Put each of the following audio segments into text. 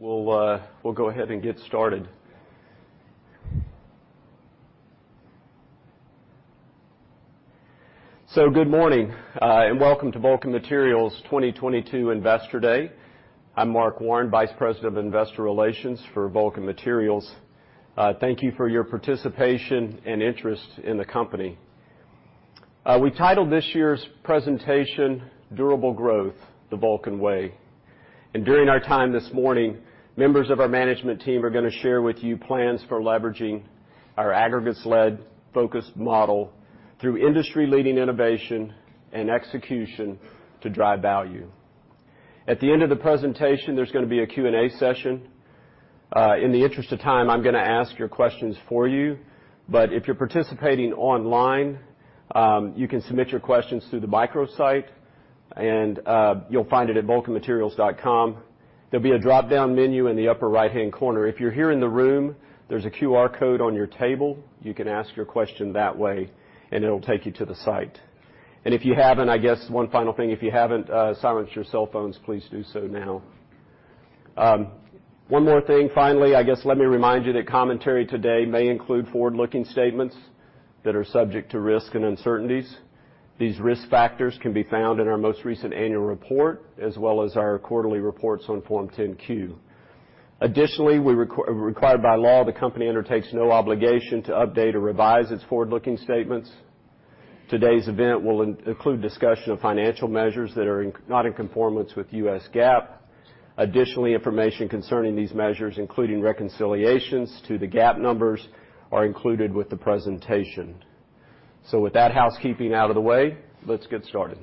We'll go ahead and get started. Good morning, and welcome to Vulcan Materials's 2022 Investor Day. I'm Mark Warren, Vice President of Investor Relations for Vulcan Materials. Thank you for your participation and interest in the company. We titled this year's presentation Durable Growth: The Vulcan Way. During our time this morning, members of our management team are gonna share with you plans for leveraging our aggregates led focused model through industry-leading innovation and execution to drive value. At the end of the presentation, there's gonna be a Q&A session. In the interest of time, I'm gonna ask your questions for you. If you're participating online, you can submit your questions through the microsite, and you'll find it at vulcanmaterials.com. There'll be a dropdown menu in the upper right-hand corner. If you're here in the room, there's a QR code on your table, you can ask your question that way, and it'll take you to the site. If you haven't silenced your cell phones, please do so now. One more thing. Finally, I guess let me remind you that commentary today may include forward-looking statements that are subject to risk and uncertainties. These risk factors can be found in our most recent annual report, as well as our quarterly reports on Form 10-Q. Additionally, as required by law, the company undertakes no obligation to update or revise its forward-looking statements. Today's event will include discussion of financial measures that are not in conformance with U.S. GAAP. Additionally, information concerning these measures, including reconciliations to the GAAP numbers, are included with the presentation. With that housekeeping out of the way, let's get started.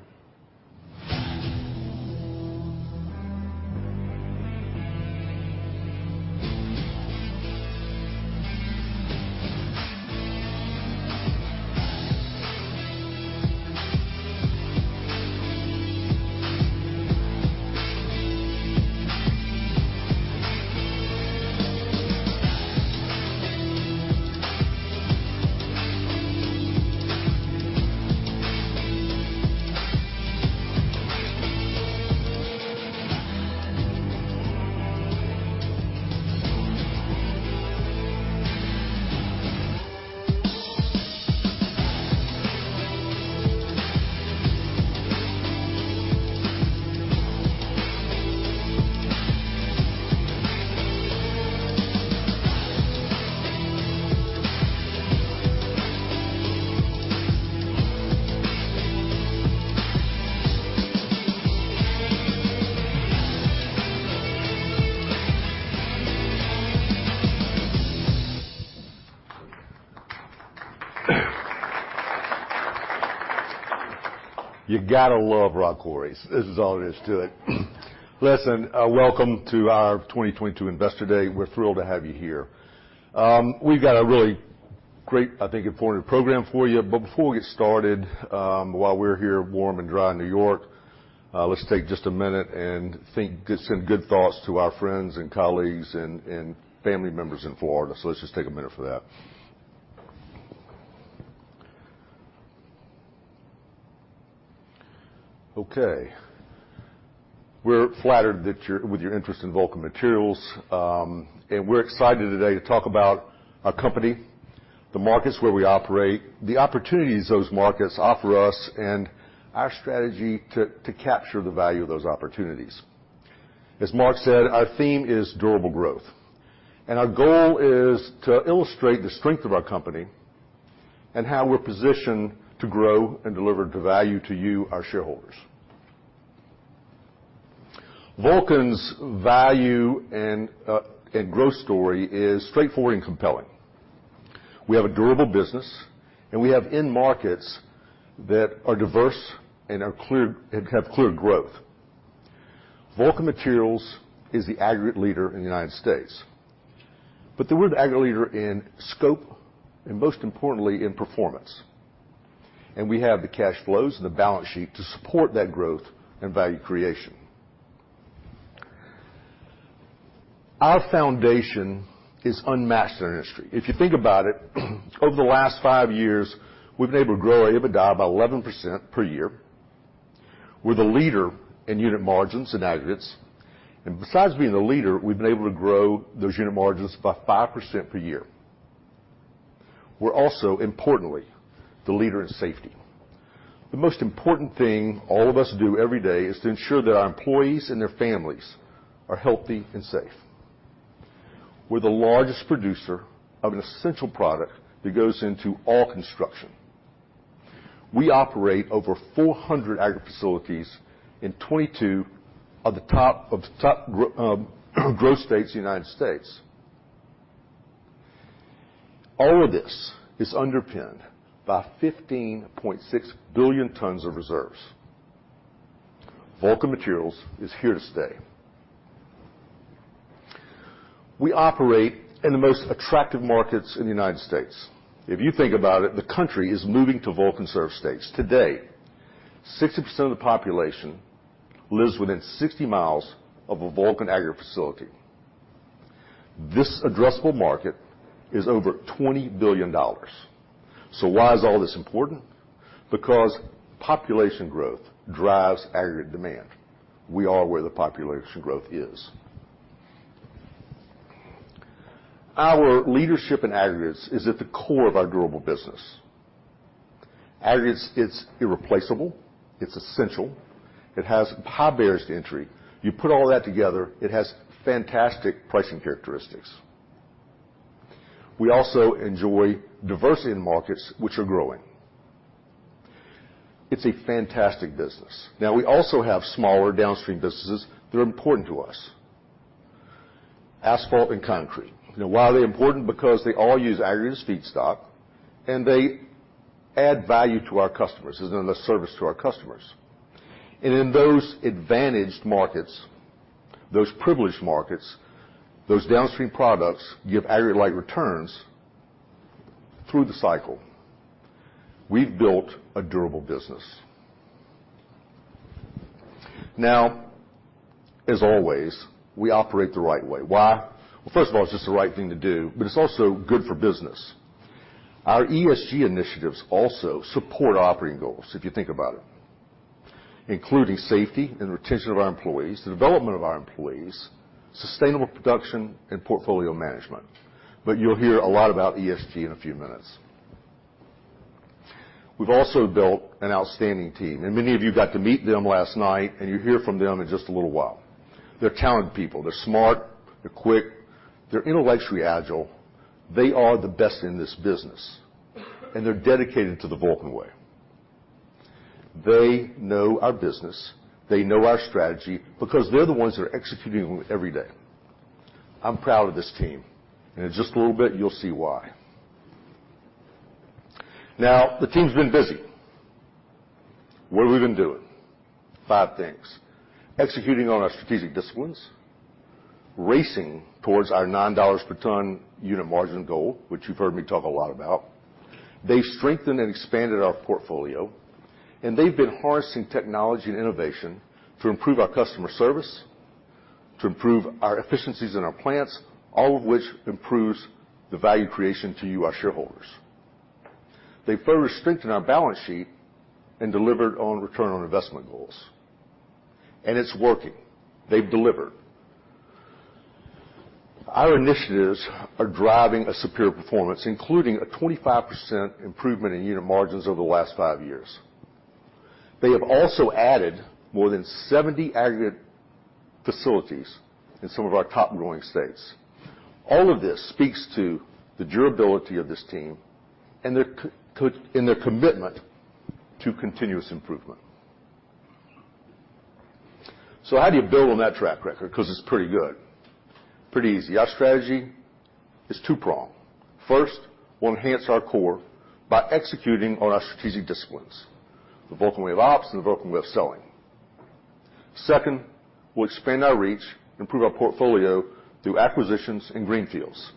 You gotta love rock quarries. This is all there is to it. Listen, welcome to our 2022 Investor Day. We're thrilled to have you here. We've got a really great, I think, informative program for you. Before we get started, while we're here, warm and dry in New York, let's take just a minute and send good thoughts to our friends and colleagues and family members in Florida. Let's just take a minute for that. Okay. We're flattered with your interest in Vulcan Materials. We're excited today to talk about our company, the markets where we operate, the opportunities those markets offer us, and our strategy to capture the value of those opportunities. As Mark said, our theme is durable growth. Our goal is to illustrate the strength of our company and how we're positioned to grow and deliver the value to you, our shareholders. Vulcan's value and growth story is straightforward and compelling. We have a durable business, and we have in markets that are diverse and have clear growth. Vulcan Materials is the aggregate leader in the United States, but the world's aggregate leader in scope and most importantly in performance. We have the cash flows and the balance sheet to support that growth and value creation. Our foundation is unmatched in our industry. If you think about it, over the last five years, we've been able to grow our EBITDA by 11% per year. We're the leader in unit margins and aggregates. Besides being the leader, we've been able to grow those unit margins by 5% per year. We're also, importantly, the leader in safety. The most important thing all of us do every day is to ensure that our employees and their families are healthy and safe. We're the largest producer of an essential product that goes into all construction. We operate over 400 aggregate facilities in 22 of the top growth states in the United States. All of this is underpinned by 15.6 billion tons of reserves. Vulcan Materials is here to stay. We operate in the most attractive markets in the United States. If you think about it, the country is moving to Vulcan served states. Today, 60% of the population lives within 60 miles of a Vulcan aggregate facility. This addressable market is over $20 billion. Why is all this important? Because population growth drives aggregate demand. We are where the population growth is. Our leadership in aggregates is at the core of our durable business. Aggregates, it's irreplaceable, it's essential, it has high barriers to entry. You put all that together, it has fantastic pricing characteristics. We also enjoy diversity in markets which are growing. It's a fantastic business. Now we also have smaller downstream businesses that are important to us. Asphalt and concrete. Now why are they important? Because they all use aggregates feedstock, and they add value to our customers as another service to our customers. In those advantaged markets, those privileged markets, those downstream products give aggregate-like returns through the cycle. We've built a durable business. Now, as always, we operate the right way. Why? Well, first of all, it's just the right thing to do, but it's also good for business. Our ESG initiatives also support operating goals, if you think about it, including safety and retention of our employees, the development of our employees, sustainable production, and portfolio management. You'll hear a lot about ESG in a few minutes. We've also built an outstanding team, and many of you got to meet them last night, and you'll hear from them in just a little while. They're talented people. They're smart, they're quick, they're intellectually agile. They are the best in this business, and they're dedicated to the Vulcan Way. They know our business. They know our strategy because they're the ones that are executing every day. I'm proud of this team. In just a little bit, you'll see why. Now, the team's been busy. What have we been doing? Five things. Executing on our strategic disciplines. Racing towards our $9 per ton unit margin goal, which you've heard me talk a lot about. They've strengthened and expanded our portfolio, and they've been harnessing technology and innovation to improve our customer service, to improve our efficiencies in our plants, all of which improves the value creation to you, our shareholders. They further strengthened our balance sheet and delivered on return on investment goals. It's working. They've delivered. Our initiatives are driving a superior performance, including a 25% improvement in unit margins over the last five years. They have also added more than 70 aggregate facilities in some of our top growing states. All of this speaks to the durability of this team and their commitment to continuous improvement. How do you build on that track record? 'Cause it's pretty good. Pretty easy. Our strategy is two-pronged. First, we'll enhance our core by executing on our strategic disciplines, the Vulcan Way of Ops and the Vulcan Way of Selling. Second, we'll expand our reach and improve our portfolio through acquisitions and greenfields.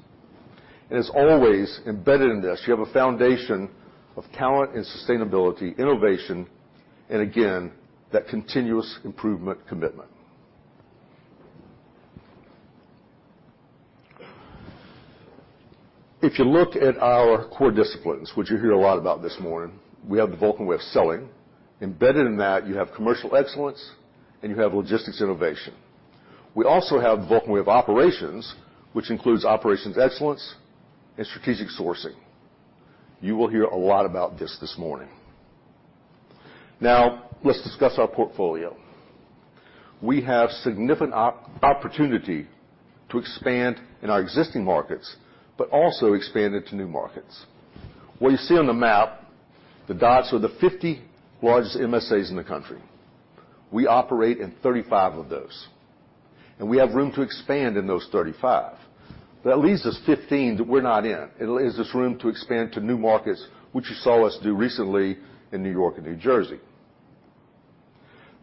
As always, embedded in this, you have a foundation of talent and sustainability, innovation, and again, that continuous improvement commitment. If you look at our core disciplines, which you'll hear a lot about this morning, we have the Vulcan Way of Selling. Embedded in that, you have commercial excellence, and you have logistics innovation. We also have the Vulcan Way of Operating, which includes operations excellence and strategic sourcing. You will hear a lot about this morning. Now, let's discuss our portfolio. We have significant opportunity to expand in our existing markets, but also expand into new markets. What you see on the map, the dots are the 50 largest MSAs in the country. We operate in 35 of those, and we have room to expand in those 35. That leaves us 15 that we're not in. It leaves us room to expand to new markets, which you saw us do recently in New York and New Jersey.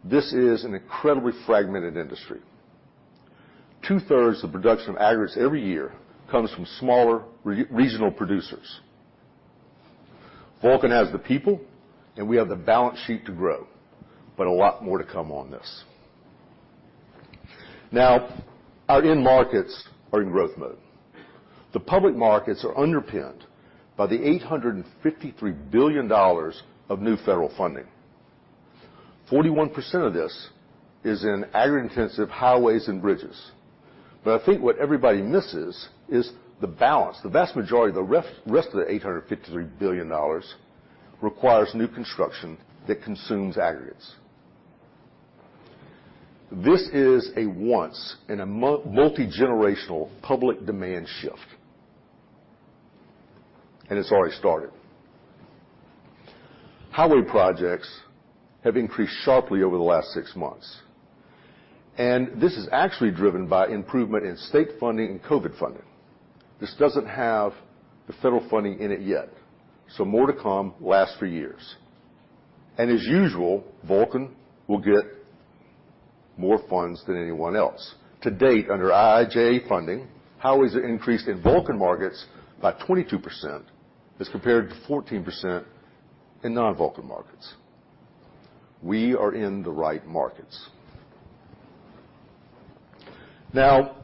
This is an incredibly fragmented industry. Two-thirds of the production of aggregates every year comes from smaller re-regional producers. Vulcan has the people, and we have the balance sheet to grow, but a lot more to come on this. Now, our end markets are in growth mode. The public markets are underpinned by the $853 billion of new federal funding. 41% of this is in aggregate-intensive highways and bridges. I think what everybody misses is the balance. The vast majority, the rest of the $853 billion requires new construction that consumes aggregates. This is a once in a multigenerational public demand shift, and it's already started. Highway projects have increased sharply over the last six months, and this is actually driven by improvement in state funding and COVID funding. This doesn't have the federal funding in it yet, so more to come will last for years. As usual, Vulcan will get more funds than anyone else. To date, under IIJA funding, highways have increased in Vulcan markets by 22% as compared to 14% in non-Vulcan markets. We are in the right markets. Now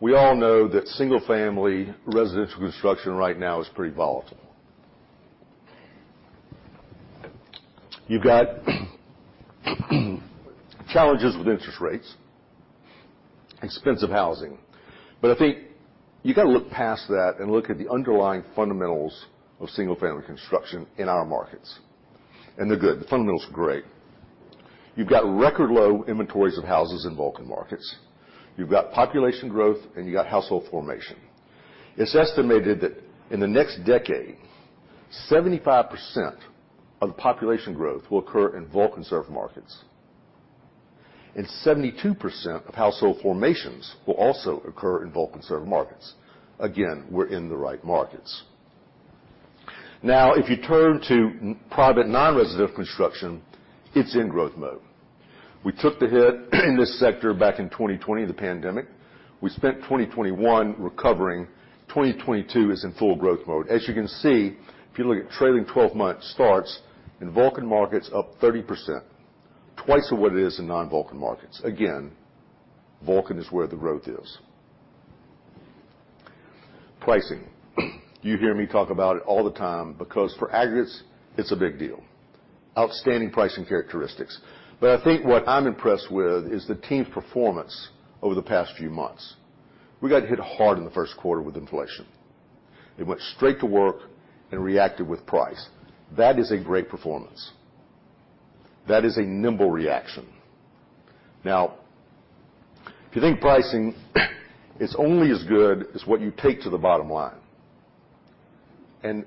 we all know that single-family residential construction right now is pretty volatile. You've got challenges with interest rates, expensive housing. I think you gotta look past that and look at the underlying fundamentals of single-family construction in our markets, and they're good. The fundamentals are great. You've got record low inventories of houses in Vulcan markets. You've got population growth, and you've got household formation. It's estimated that in the next decade, 75% of the population growth will occur in Vulcan-served markets, and 72% of household formations will also occur in Vulcan-served markets. Again, we're in the right markets. Now, if you turn to private nonresidential construction, it's in growth mode. We took the hit in this sector back in 2020, the pandemic. We spent 2021 recovering. 2022 is in full growth mode. As you can see, if you look at trailing 12 months starts, in Vulcan markets up 30%, twice of what it is in non-Vulcan markets. Vulcan is where the growth is. Pricing. You hear me talk about it all the time because for aggregates, it's a big deal. Outstanding pricing characteristics. I think what I'm impressed with is the team's performance over the past few months. We got hit hard in the first quarter with inflation. They went straight to work and reacted with price. That is a great performance. That is a nimble reaction. If you think pricing is only as good as what you take to the bottom line, and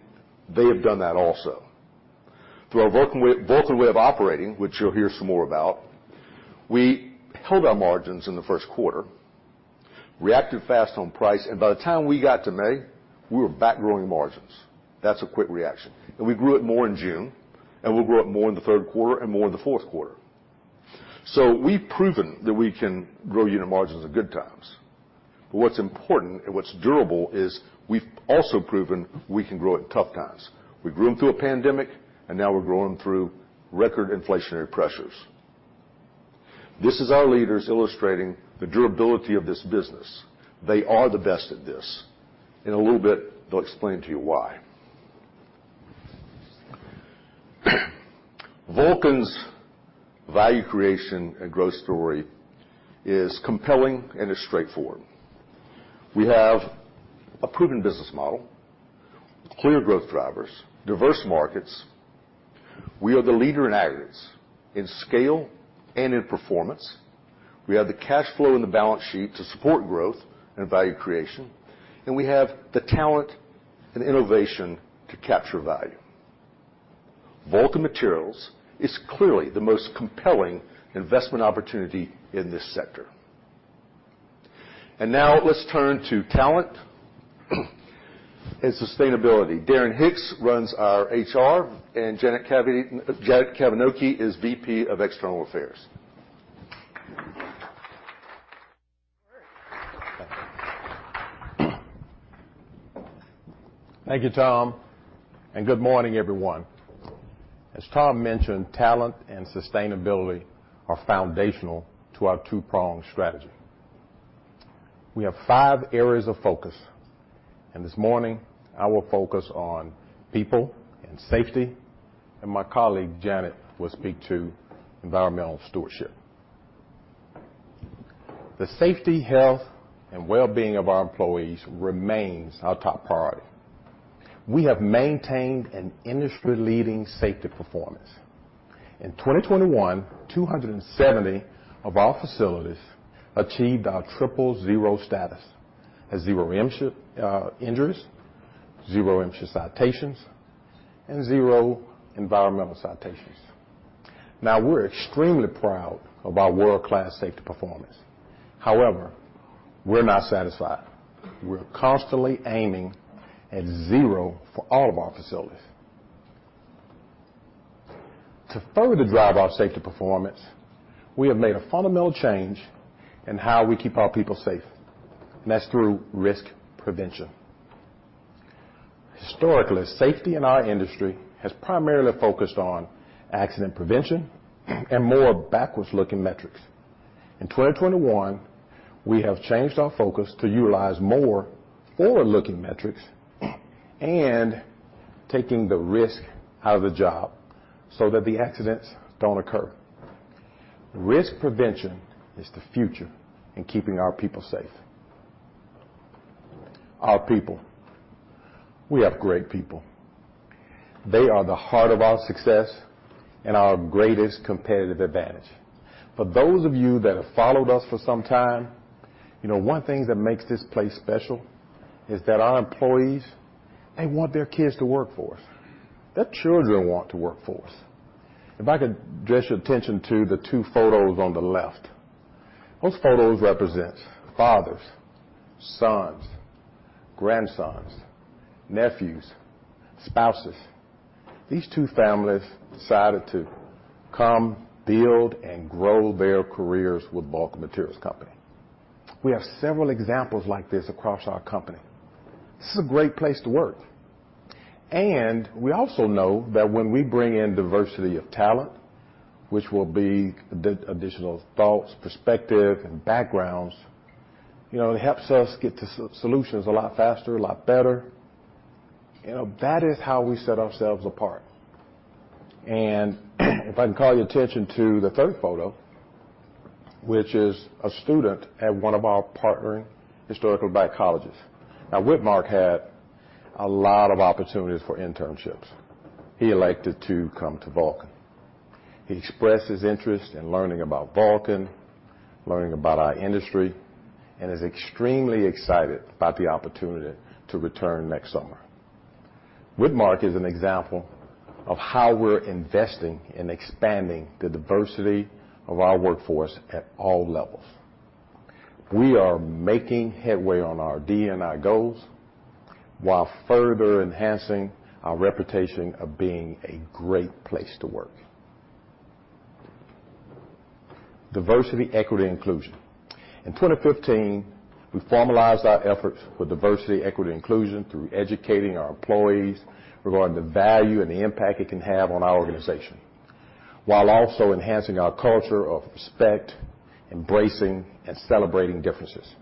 they have done that also. Through our Vulcan Way, Vulcan Way of Operating, which you'll hear some more about, we held our margins in the first quarter, reacted fast on price, and by the time we got to May, we were back growing margins. That's a quick reaction. We grew it more in June, and we'll grow it more in the third quarter and more in the fourth quarter. We've proven that we can grow unit margins in good times. What's important and what's durable is we've also proven we can grow it in tough times. We grew them through a pandemic, and now we're growing through record inflationary pressures. This is our leaders illustrating the durability of this business. They are the best at this. In a little bit, they'll explain to you why. Vulcan's value creation and growth story is compelling and is straightforward. We have a proven business model, clear growth drivers, diverse markets. We are the leader in aggregates, in scale and in performance. We have the cash flow in the balance sheet to support growth and value creation, and we have the talent and innovation to capture value. Vulcan Materials is clearly the most compelling investment opportunity in this sector. Now let's turn to talent and sustainability. Darren Hicks runs our HR, and Janet Kavinoky is VP of External Affairs. Thank you. Thank you, Tom. Good morning, everyone. As Tom mentioned, talent and sustainability are foundational to our two-prong strategy. We have five areas of focus, and this morning, I will focus on people and safety, and my colleague, Janet, will speak to environmental stewardship. The safety, health, and well-being of our employees remains our top priority. We have maintained an industry-leading safety performance. In 2021, 270 of our facilities achieved our TripleZero status, a zero injuries, zero MSHA citations, and zero environmental citations. We're extremely proud of our world-class safety performance. However, we're not satisfied. We're constantly aiming at zero for all of our facilities. To further drive our safety performance, we have made a fundamental change in how we keep our people safe, and that's through risk prevention. Historically, safety in our industry has primarily focused on accident prevention and more backwards-looking metrics. In 2021, we have changed our focus to utilize more forward-looking metrics and taking the risk out of the job so that the accidents don't occur. Risk prevention is the future in keeping our people safe. Our people, we have great people. They are the heart of our success and our greatest competitive advantage. For those of you that have followed us for some time, you know, one thing that makes this place special is that our employees, they want their kids to work for us. Their children want to work for us. If I could address your attention to the two photos on the left. Those photos represents fathers, sons, grandsons, nephews, spouses. These two families decided to come, build, and grow their careers with Vulcan Materials Company. We have several examples like this across our company. This is a great place to work. We also know that when we bring in diversity of talent, which will be additional thoughts, perspective, and backgrounds, you know, it helps us get to solutions a lot faster, a lot better. You know, that is how we set ourselves apart. If I can call your attention to the third photo, which is a student at one of our partnering historically Black colleges. Now, Whitmark had a lot of opportunities for internships. He elected to come to Vulcan. He expressed his interest in learning about Vulcan, learning about our industry, and is extremely excited about the opportunity to return next summer. Whitmark is an example of how we're investing in expanding the diversity of our workforce at all levels. We are making headway on our DE&I goals while further enhancing our reputation of being a great place to work. Diversity, equity, and inclusion. In 2015, we formalized our efforts with diversity, equity, and inclusion through educating our employees regarding the value and the impact it can have on our organization, while also enhancing our culture of respect, embracing, and celebrating differences.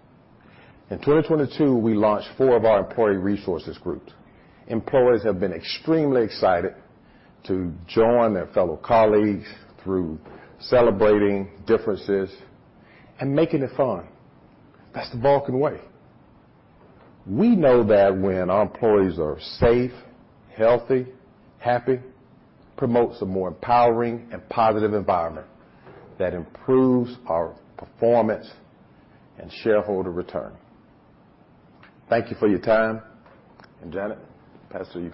In 2022, we launched four of our employee resources groups. Employees have been extremely excited to join their fellow colleagues through celebrating differences and making it fun. That's the Vulcan way. We know that when our employees are safe, healthy, happy, promotes a more empowering and positive environment that improves our performance and shareholder return. Thank you for your time. Janet, back to you.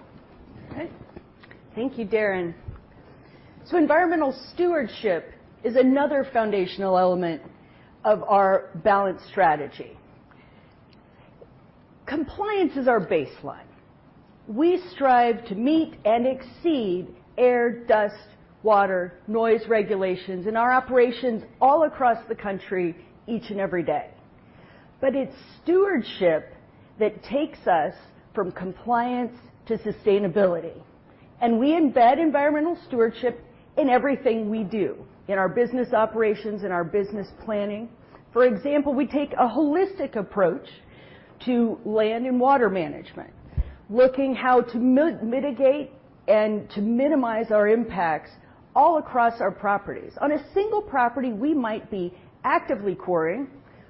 Thank you, Darren. Environmental stewardship is another foundational element of our balanced strategy. Compliance is our baseline. We strive to meet and exceed air, dust, water, noise regulations in our operations all across the country each and every day. It's stewardship that takes us from compliance to sustainability. We embed environmental stewardship in everything we do, in our business operations, in our business planning. For example, we take a holistic approach to land and water management, looking how to mitigate and to minimize our impacts all across our properties. On a single property, we might be actively quarrying,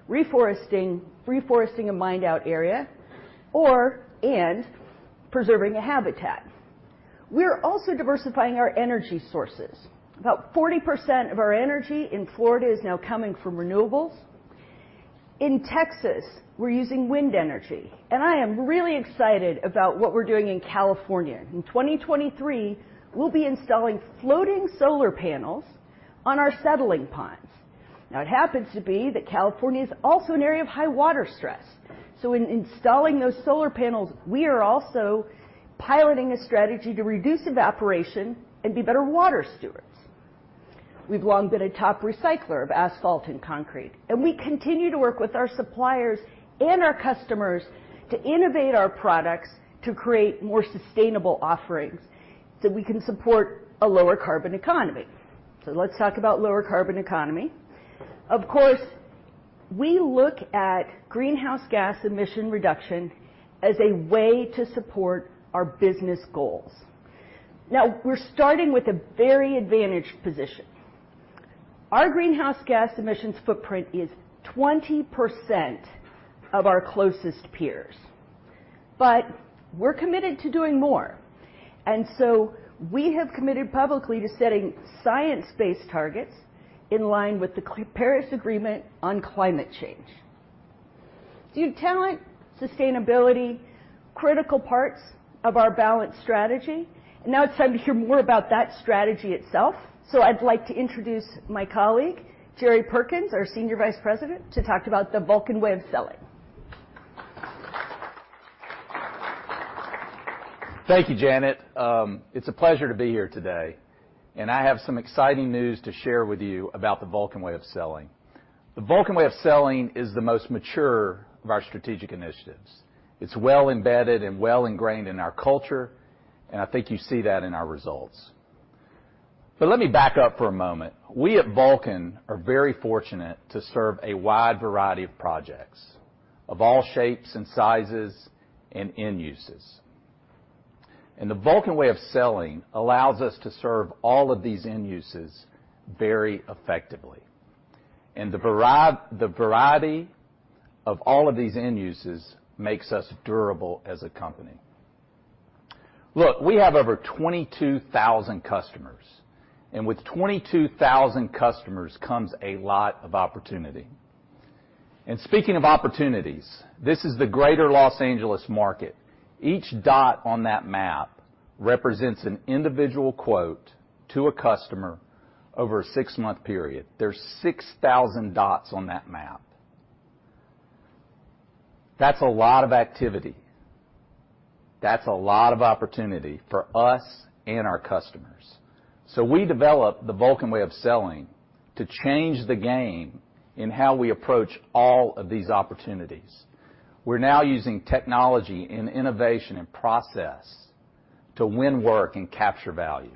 reforesting a mined out area or preserving a habitat. We're also diversifying our energy sources. About 40% of our energy in Florida is now coming from renewables. In Texas, we're using wind energy, and I am really excited about what we're doing in California. In 2023, we'll be installing floating solar panels on our settling ponds. Now it happens to be that California is also an area of high water stress, so in installing those solar panels, we are also piloting a strategy to reduce evaporation and be better water stewards. We've long been a top recycler of asphalt and concrete, and we continue to work with our suppliers and our customers to innovate our products to create more sustainable offerings, so we can support a lower carbon economy. Let's talk about lower carbon economy. Of course, we look at greenhouse gas emission reduction as a way to support our business goals. Now, we're starting with a very advantaged position. Our greenhouse gas emissions footprint is 20% of our closest peers, but we're committed to doing more. We have committed publicly to setting science-based targets in line with the Paris Agreement on Climate Change. Talent, sustainability, critical parts of our balanced strategy. Now it's time to hear more about that strategy itself. I'd like to introduce my colleague, Jerry Perkins, our Senior Vice President, to talk about the Vulcan Way of Selling. Thank you, Janet. It's a pleasure to be here today. I have some exciting news to share with you about the Vulcan Way of Selling. The Vulcan Way of Selling is the most mature of our strategic initiatives. It's well embedded and well ingrained in our culture, and I think you see that in our results. Let me back up for a moment. We at Vulcan are very fortunate to serve a wide variety of projects of all shapes and sizes and end uses. The Vulcan Way of Selling allows us to serve all of these end uses very effectively. The variety of all of these end uses makes us durable as a company. Look, we have over 22,000 customers, and with 22,000 customers comes a lot of opportunity. Speaking of opportunities, this is the Greater Los Angeles market. Each dot on that map represents an individual quote to a customer over a six-month period. There's 6,000 dots on that map. That's a lot of activity. That's a lot of opportunity for us and our customers. We developed the Vulcan Way of Selling to change the game in how we approach all of these opportunities. We're now using technology and innovation and process to win work and capture value.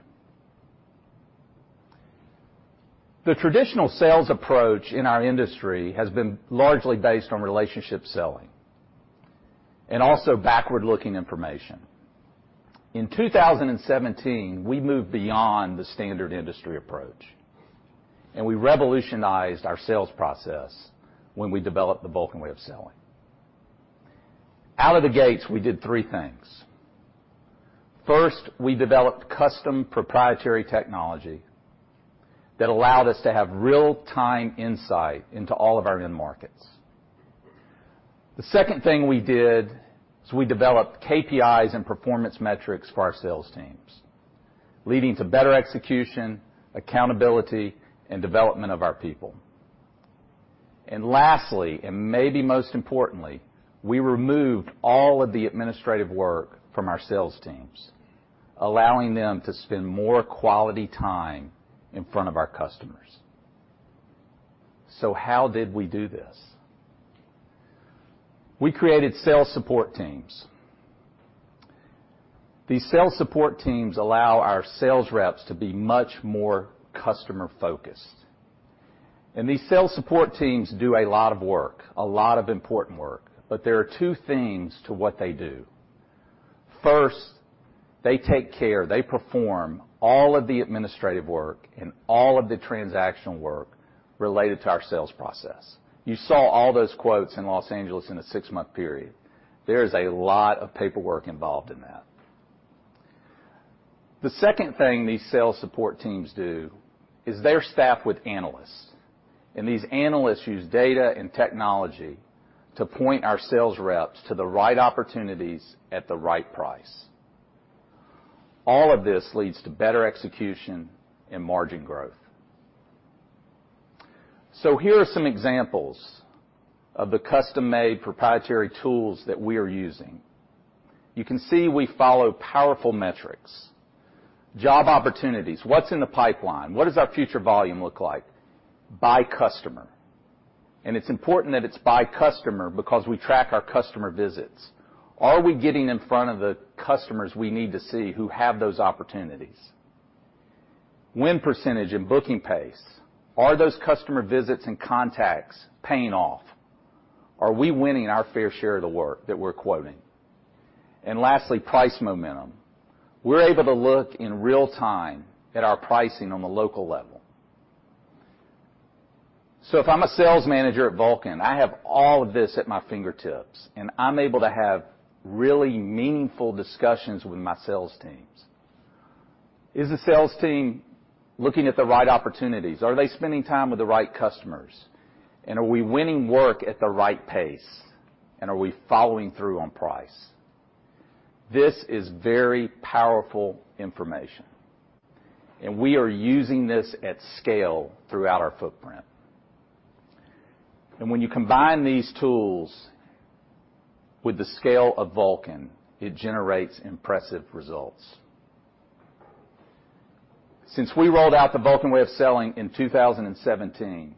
The traditional sales approach in our industry has been largely based on relationship selling and also backward-looking information. In 2017, we moved beyond the standard industry approach, and we revolutionized our sales process when we developed the Vulcan Way of Selling. Out of the gates, we did three things. First, we developed custom proprietary technology that allowed us to have real-time insight into all of our end markets. The second thing we did is we developed KPIs and performance metrics for our sales teams, leading to better execution, accountability, and development of our people. Lastly, and maybe most importantly, we removed all of the administrative work from our sales teams, allowing them to spend more quality time in front of our customers. How did we do this? We created sales support teams. These sales support teams allow our sales reps to be much more customer-focused. These sales support teams do a lot of work, a lot of important work, but there are two things to what they do. First, they perform all of the administrative work and all of the transactional work related to our sales process. You saw all those quotes in Los Angeles in a six-month period. There is a lot of paperwork involved in that. The second thing these sales support teams do is they're staffed with analysts, and these analysts use data and technology to point our sales reps to the right opportunities at the right price. All of this leads to better execution and margin growth. Here are some examples of the custom-made proprietary tools that we are using. You can see we follow powerful metrics. Job opportunities. What's in the pipeline? What does our future volume look like by customer? And it's important that it's by customer because we track our customer visits. Are we getting in front of the customers we need to see who have those opportunities? Win percentage and booking pace. Are those customer visits and contacts paying off? Are we winning our fair share of the work that we're quoting? And lastly, price momentum. We're able to look in real time at our pricing on the local level. If I'm a sales manager at Vulcan, I have all of this at my fingertips, and I'm able to have really meaningful discussions with my sales teams. Is the sales team looking at the right opportunities? Are they spending time with the right customers? Are we winning work at the right pace? Are we following through on price? This is very powerful information, and we are using this at scale throughout our footprint. When you combine these tools with the scale of Vulcan, it generates impressive results. Since we rolled out the Vulcan Way of Selling in 2017,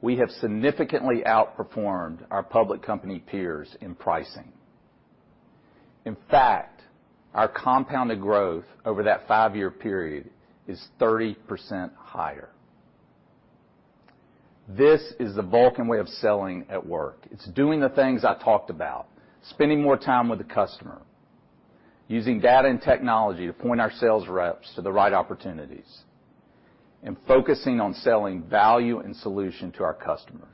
we have significantly outperformed our public company peers in pricing. In fact, our compounded growth over that five-year period is 30% higher. This is the Vulcan Way of Selling at work. It's doing the things I talked about, spending more time with the customer, using data and technology to point our sales reps to the right opportunities, and focusing on selling value and solution to our customers.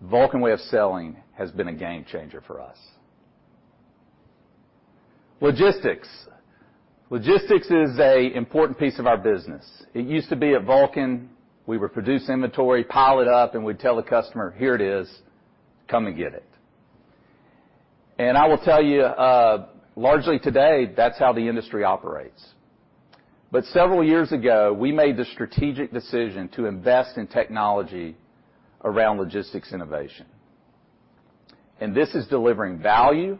Vulcan Way of Selling has been a game changer for us. Logistics. Logistics is an important piece of our business. It used to be at Vulcan, we would produce inventory, pile it up, and we'd tell the customer, "Here it is. Come and get it." I will tell you, largely today, that's how the industry operates. Several years ago, we made the strategic decision to invest in technology around logistics innovation, and this is delivering value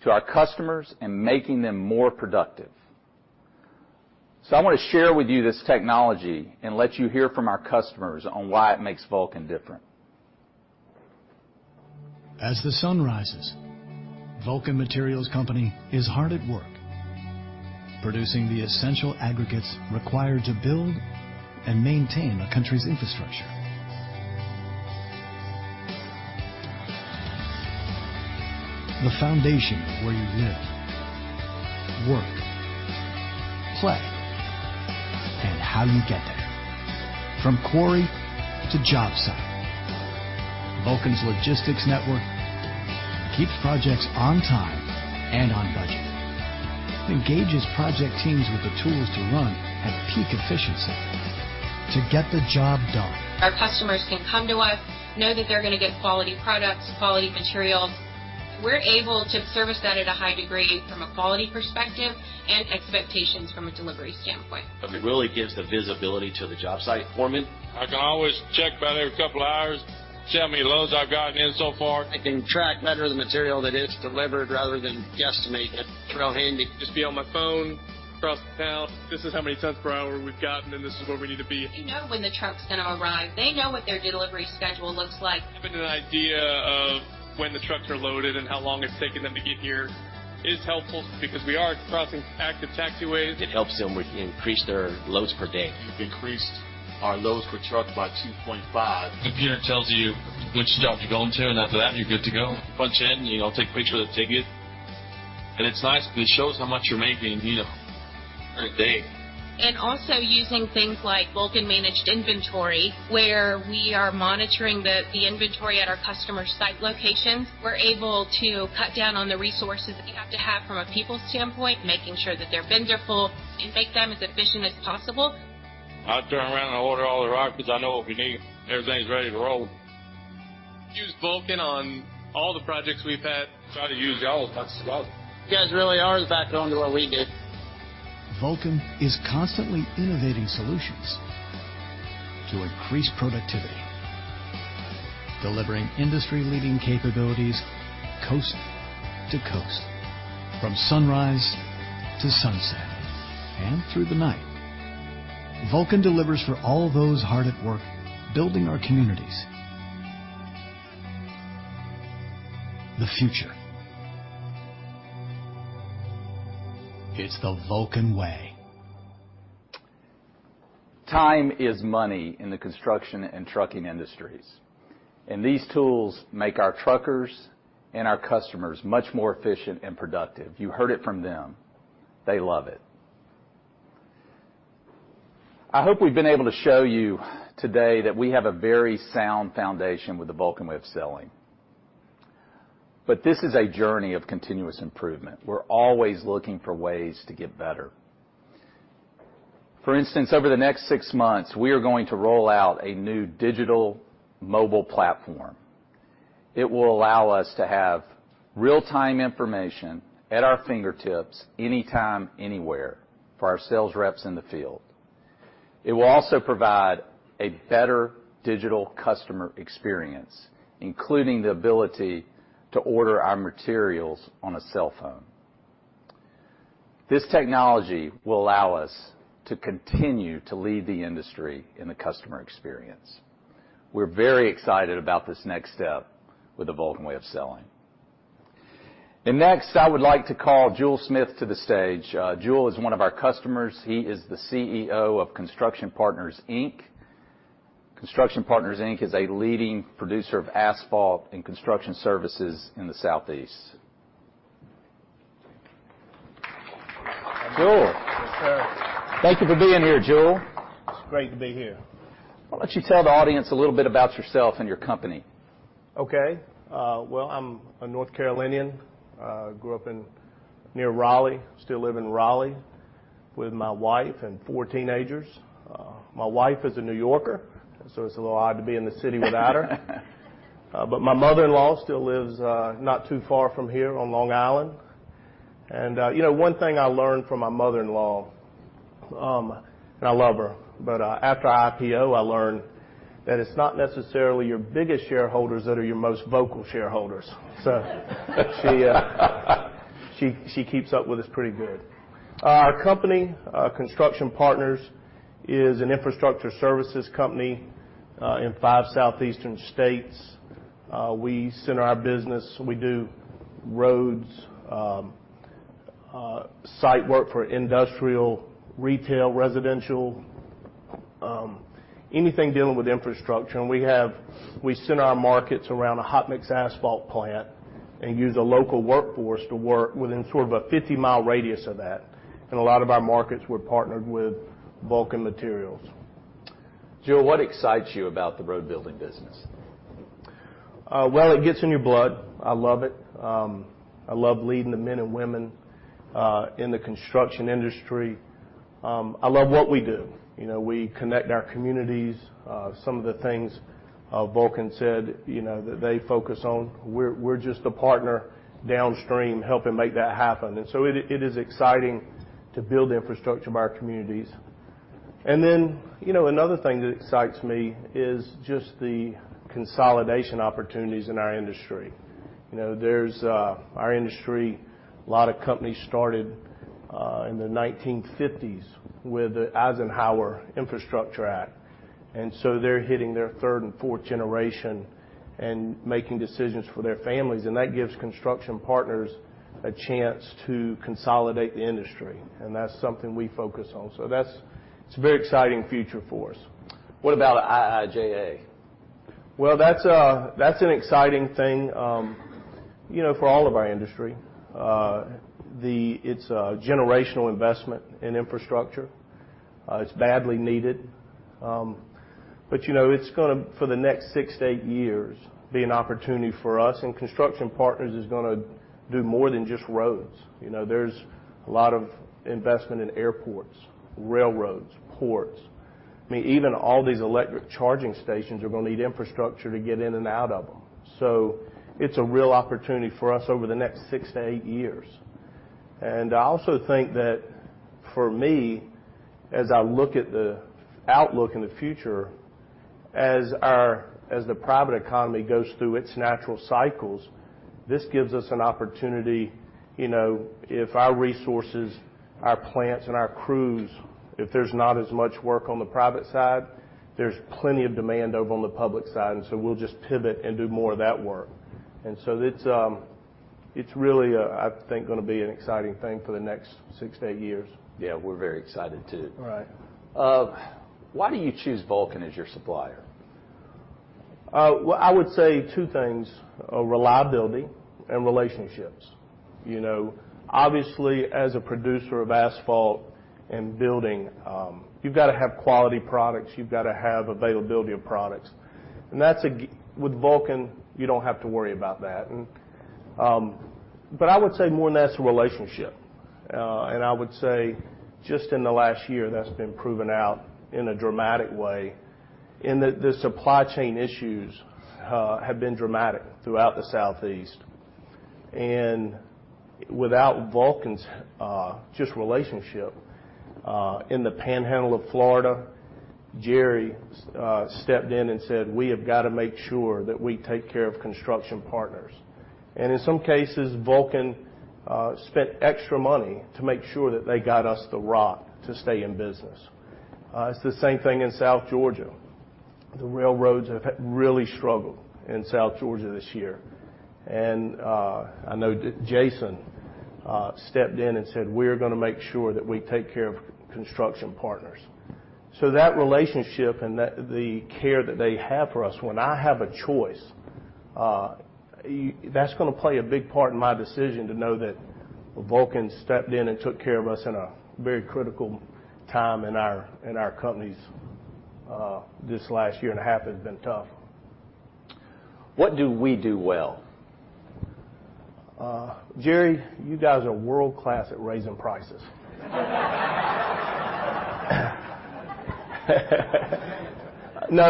to our customers and making them more productive. I wanna share with you this technology and let you hear from our customers on why it makes Vulcan different. As the sun rises, Vulcan Materials Company is hard at work producing the essential aggregates required to build and maintain a country's infrastructure. The foundation of where you live, work, play, and how you get there. From quarry to job site, Vulcan's logistics network keeps projects on time and on budget, engages project teams with the tools to run at peak efficiency to get the job done. Our customers can come to us, know that they're gonna get quality products, quality materials. We're able to service that at a high degree from a quality perspective and expectations from a delivery standpoint. It really gives the visibility to the job site foreman. I can always check about every couple hours, see how many loads I've gotten in so far. I can track better the material that is delivered rather than guesstimate it. It's real handy. Just be on my phone across the town. This is how many tons per hour we've gotten, and this is where we need to be. We know when the truck's gonna arrive. They know what their delivery schedule looks like. Having an idea of when the trucks are loaded and how long it's taking them to get here is helpful because we are crossing active taxiways. It helps them increase their loads per day. We've increased our loads per truck by 2.5. The computer tells you which job you're going to, and after that, you're good to go. Punch in. You know, I'll take a picture of the ticket. It's nice because it shows how much you're making, you know, per day. Also using things like Vulcan Managed Inventory, where we are monitoring the inventory at our customer site locations, we're able to cut down on the resources that you have to have from a people standpoint, making sure that their bins are full and make them as efficient as possible. I turn around and order all the rock 'cause I know what we need. Everything's ready to roll. Use Vulcan on all the projects we've had. Try to use y'all as much as possible. You guys really are the backbone to what we do. Vulcan is constantly innovating solutions to increase productivity. Delivering industry-leading capabilities coast to coast, from sunrise to sunset, and through the night. Vulcan delivers for all those hard at work building our communities. The future. It's the Vulcan way. Time is money in the construction and trucking industries, and these tools make our truckers and our customers much more efficient and productive. You heard it from them. They love it. I hope we've been able to show you today that we have a very sound foundation with the Vulcan Way of Selling. This is a journey of continuous improvement. We're always looking for ways to get better. For instance, over the next six months, we are going to roll out a new digital mobile platform. It will allow us to have real-time information at our fingertips anytime, anywhere for our sales reps in the field. It will also provide a better digital customer experience, including the ability to order our materials on a cell phone. This technology will allow us to continue to lead the industry in the customer experience. We're very excited about this next step with the Vulcan Way of selling. Next, I would like to call Jule Smith to the stage. Jule is one of our customers. He is the CEO of Construction Partners, Inc. Construction Partners, Inc. is a leading producer of asphalt and construction services in the Southeast. Jule? Yes, sir. Thank you for being here, Jule. It's great to be here. Why don't you tell the audience a little bit about yourself and your company? Okay. Well, I'm a North Carolinian. Grew up in and near Raleigh. Still live in Raleigh with my wife and four teenagers. My wife is a New Yorker, so it's a little odd to be in the city without her. My mother-in-law still lives not too far from here on Long Island. You know, one thing I learned from my mother-in-law, and I love her, but after our IPO, I learned that it's not necessarily your biggest shareholders that are your most vocal shareholders. She keeps up with us pretty good. Our company, Construction Partners, is an infrastructure services company in five southeastern states. We center our business. We do roads, site work for industrial, retail, residential, anything dealing with infrastructure. We center our markets around a hot mix asphalt plant and use a local workforce to work within sort of a 50-mile radius of that. In a lot of our markets, we're partnered with Vulcan Materials. Jule, what excites you about the road building business? Well, it gets in your blood. I love it. I love leading the men and women in the construction industry. I love what we do. You know, we connect our communities. Some of the things Vulcan said, you know, that they focus on, we're just a partner downstream helping make that happen. It is exciting to build the infrastructure of our communities. You know, another thing that excites me is just the consolidation opportunities in our industry. You know, our industry, a lot of companies started in the 1950s with the Eisenhower Infrastructure Act, and so they're hitting their third and fourth generation and making decisions for their families. That gives Construction Partners a chance to consolidate the industry, and that's something we focus on. It's a very exciting future for us. What about IIJA? Well, that's an exciting thing, you know, for all of our industry. It's a generational investment in infrastructure. It's badly needed. You know, it's gonna, for the next six to eight years, be an opportunity for us, and Construction Partners is gonna do more than just roads. You know, there's a lot of investment in airports, railroads, ports. I mean, even all these electric charging stations are gonna need infrastructure to get in and out of them. It's a real opportunity for us over the next six to eight years. I also think that, for me, as I look at the outlook in the future, as the private economy goes through its natural cycles, this gives us an opportunity. You know, if our resources, our plants, and our crews, if there's not as much work on the private side, there's plenty of demand over on the public side, and so we'll just pivot and do more of that work. It's really, I think gonna be an exciting thing for the next six to eight years. Yeah, we're very excited too. Right. Why do you choose Vulcan as your supplier? Well, I would say two things, reliability and relationships. You know, obviously, as a producer of asphalt and building, you've gotta have quality products. You've gotta have availability of products. With Vulcan, you don't have to worry about that. But I would say more than that it's the relationship. I would say just in the last year, that's been proven out in a dramatic way in that the supply chain issues have been dramatic throughout the Southeast. Without Vulcan's just relationship in the Panhandle of Florida, Jerry stepped in and said, "We have gotta make sure that we take care of Construction Partners." In some cases, Vulcan spent extra money to make sure that they got us the rock to stay in business. It's the same thing in South Georgia. The railroads have really struggled in South Georgia this year. I know Jason stepped in and said, "We're gonna make sure that we take care of Construction Partners." That relationship and the care that they have for us, when I have a choice, that's gonna play a big part in my decision to know that Vulcan stepped in and took care of us in a very critical time in our company's. This last year and a half has been tough. What do we do well? Jerry, you guys are world-class at raising prices. No,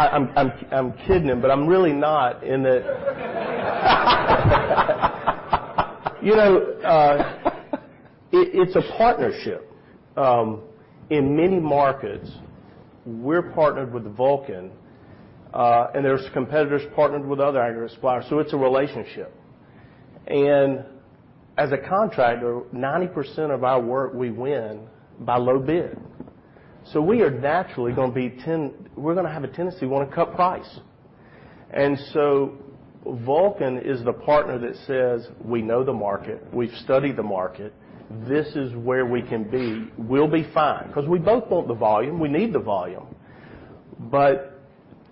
I'm kidding, but I'm really not. You know, it's a partnership. In many markets, we're partnered with Vulcan, and there's competitors partnered with other aggregate suppliers, so it's a relationship. As a contractor, 90% of our work we win by low bid. We are naturally gonna have a tendency to wanna cut price. Vulcan is the partner that says, "We know the market. We've studied the market. This is where we can be. We'll be fine." 'Cause we both want the volume. We need the volume.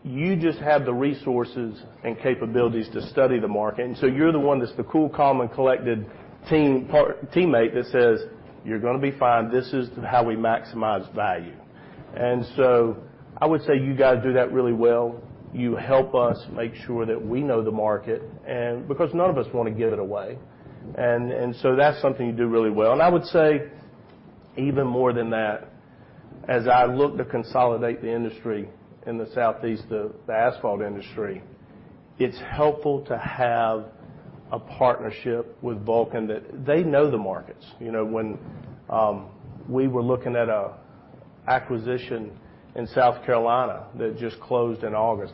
You just have the resources and capabilities to study the market, and so you're the one that's the cool, calm, and collected teammate that says, "You're gonna be fine. This is how we maximize value." I would say you guys do that really well. You help us make sure that we know the market, and because none of us wanna give it away, so that's something you do really well. I would say even more than that, as I look to consolidate the industry in the Southeast, the asphalt industry, it's helpful to have a partnership with Vulcan that they know the markets. You know, when we were looking at an acquisition in South Carolina that just closed in August,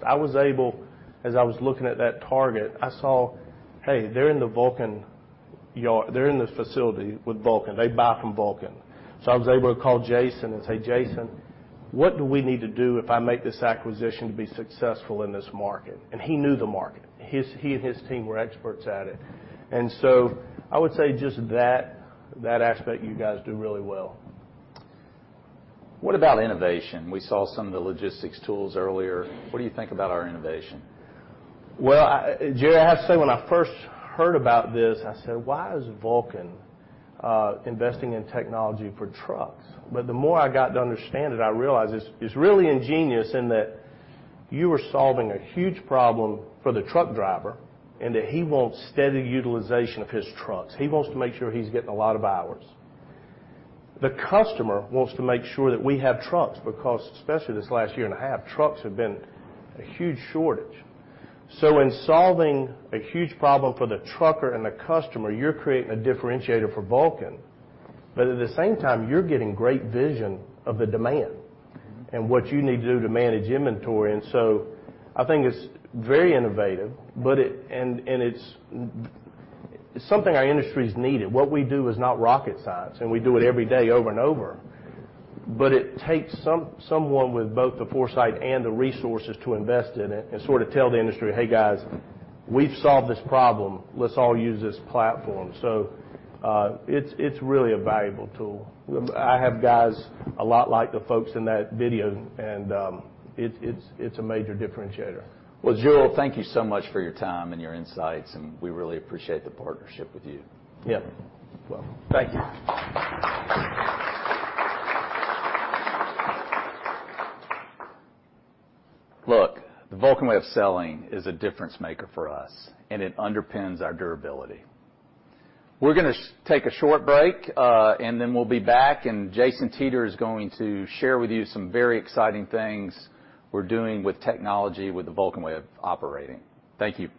As I was looking at that target, I saw, "Hey, they're in the Vulcan yard. They're in this facility with Vulcan. They buy from Vulcan." I was able to call Jason and say, "Jason, what do we need to do if I make this acquisition to be successful in this market?" He knew the market. He and his team were experts at it. I would say just that aspect, you guys do really well. What about innovation? We saw some of the logistics tools earlier. What do you think about our innovation? Well, Jerry, I have to say, when I first heard about this, I said, "Why is Vulcan investing in technology for trucks?" The more I got to understand it, I realized it's really ingenious in that you are solving a huge problem for the truck driver and that he wants steady utilization of his trucks. He wants to make sure he's getting a lot of hours. The customer wants to make sure that we have trucks because, especially this last year and a half, trucks have been a huge shortage. In solving a huge problem for the trucker and the customer, you're creating a differentiator for Vulcan. At the same time, you're getting great vision of the demand and what you need to do to manage inventory. I think it's very innovative, but it's something our industry's needed. What we do is not rocket science, and we do it every day over and over. It takes someone with both the foresight and the resources to invest in it and sort of tell the industry, "Hey, guys, we've solved this problem. Let's all use this platform." It's really a valuable tool. I have guys a lot like the folks in that video, and it's a major differentiator. Well, Jule, thank you so much for your time and your insights, and we really appreciate the partnership with you. Yeah. You're welcome. Thank you. Look, the Vulcan Way of Selling is a difference maker for us, and it underpins our durability. We're gonna take a short break, and then we'll be back, and Jason Teter is going to share with you some very exciting things we're doing with technology with the Vulcan Way of Operating. Thank you.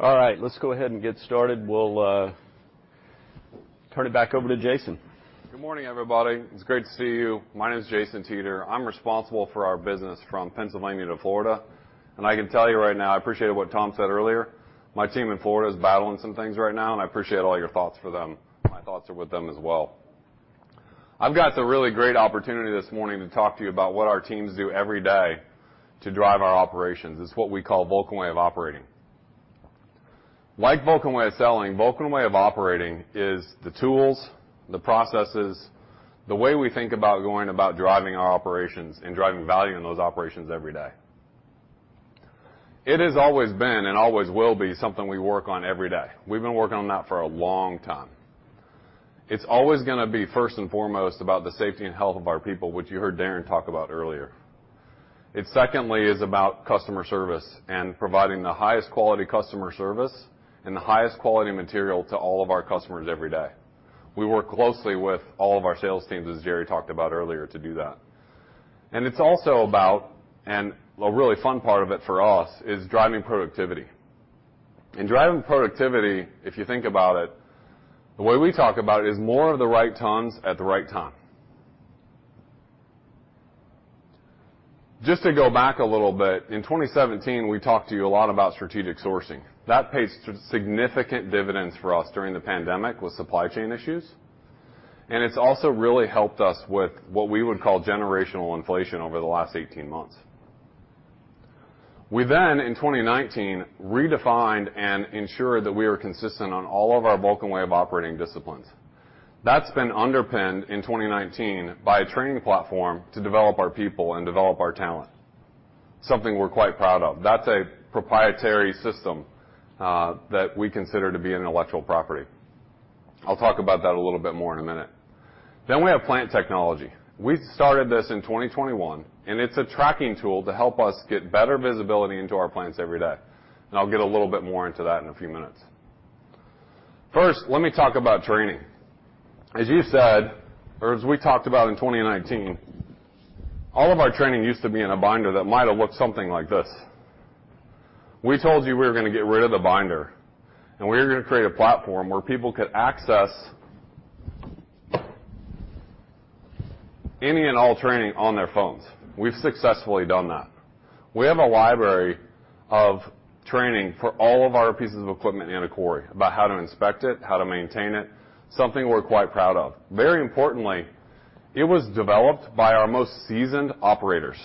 All right. Let's go ahead and get started. We'll turn it back over to Jason. Good morning, everybody. It's great to see you. My name is Jason Teter. I'm responsible for our business from Pennsylvania to Florida. I can tell you right now, I appreciate what Tom said earlier. My team in Florida is battling some things right now, and I appreciate all your thoughts for them. My thoughts are with them as well. I've got a really great opportunity this morning to talk to you about what our teams do every day to drive our operations. It's what we call Vulcan Way of Operating. Like Vulcan Way of Selling, Vulcan Way of Operating is the tools, the processes, the way we think about going about driving our operations and driving value in those operations every day. It has always been and always will be something we work on every day. We've been working on that for a long time. It's always gonna be first and foremost about the safety and health of our people, which you heard Darren talk about earlier. It secondly is about customer service and providing the highest quality customer service and the highest quality material to all of our customers every day. We work closely with all of our sales teams, as Jerry talked about earlier, to do that. It's also about, and a really fun part of it for us, is driving productivity. In driving productivity, if you think about it, the way we talk about it is more of the right tons at the right time. Just to go back a little bit, in 2017, we talked to you a lot about strategic sourcing. That paid significant dividends for us during the pandemic with supply chain issues, and it's also really helped us with what we would call generational inflation over the last 18 months. We then, in 2019, redefined and ensured that we are consistent on all of our Vulcan Way of Operating disciplines. That's been underpinned in 2019 by a training platform to develop our people and develop our talent, something we're quite proud of. That's a proprietary system that we consider to be an intellectual property. I'll talk about that a little bit more in a minute. We have plant technology. We started this in 2021, and it's a tracking tool to help us get better visibility into our plants every day, and I'll get a little bit more into that in a few minutes. First, let me talk about training. As you said, or as we talked about in 2019, all of our training used to be in a binder that might have looked something like this. We told you we were gonna get rid of the binder, and we were gonna create a platform where people could access any and all training on their phones. We've successfully done that. We have a library of training for all of our pieces of equipment in a quarry about how to inspect it, how to maintain it, something we're quite proud of. Very importantly, it was developed by our most seasoned operators.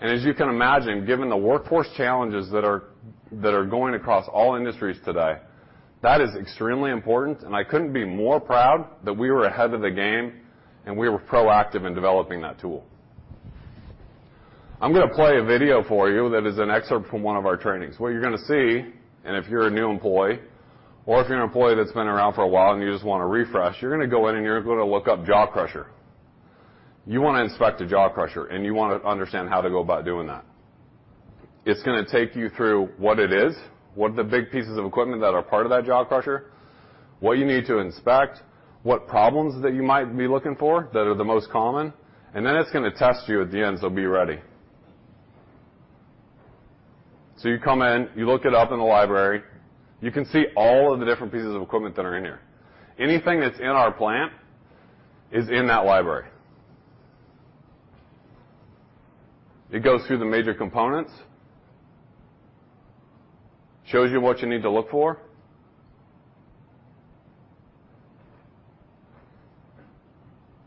As you can imagine, given the workforce challenges that are going across all industries today, that is extremely important, and I couldn't be more proud that we were ahead of the game and we were proactive in developing that tool. I'm gonna play a video for you that is an excerpt from one of our trainings. What you're gonna see, and if you're a new employee or if you're an employee that's been around for a while and you just want a refresh, you're gonna go in and you're gonna look up jaw crusher. You wanna inspect a jaw crusher, and you wanna understand how to go about doing that. It's gonna take you through what it is, what the big pieces of equipment that are part of that jaw crusher, what you need to inspect, what problems that you might be looking for that are the most common, and then it's gonna test you at the end, so be ready. You come in, you look it up in the library. You can see all of the different pieces of equipment that are in here. Anything that's in our plant is in that library. It goes through the major components. Shows you what you need to look for.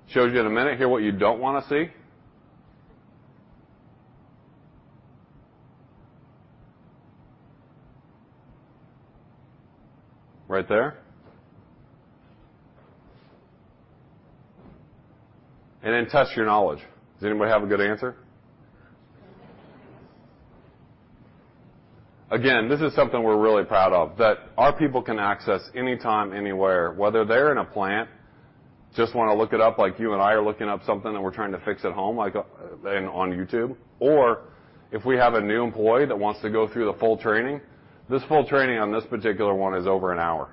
Shows you in a minute here what you don't wanna see. Right there. Then tests your knowledge. Does anybody have a good answer? Again, this is something we're really proud of that our people can access anytime, anywhere, whether they're in a plant, just wanna look it up like you and I are looking up something that we're trying to fix at home, like on YouTube, or if we have a new employee that wants to go through the full training. This full training on this particular one is over an hour.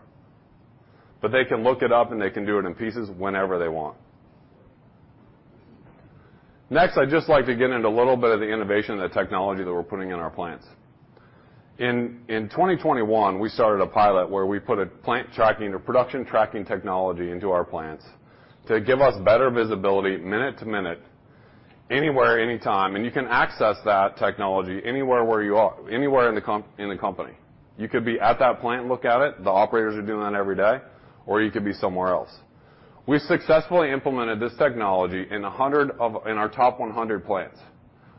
They can look it up and they can do it in pieces whenever they want. Next, I'd just like to get into a little bit of the innovation and the technology that we're putting in our plants. In 2021, we started a pilot where we put a plant tracking or production tracking technology into our plants to give us better visibility minute to minute, anywhere, anytime, and you can access that technology anywhere you are, anywhere in the company. You could be at that plant, look at it, the operators are doing that every day, or you could be somewhere else. We successfully implemented this technology in our top 100 plants,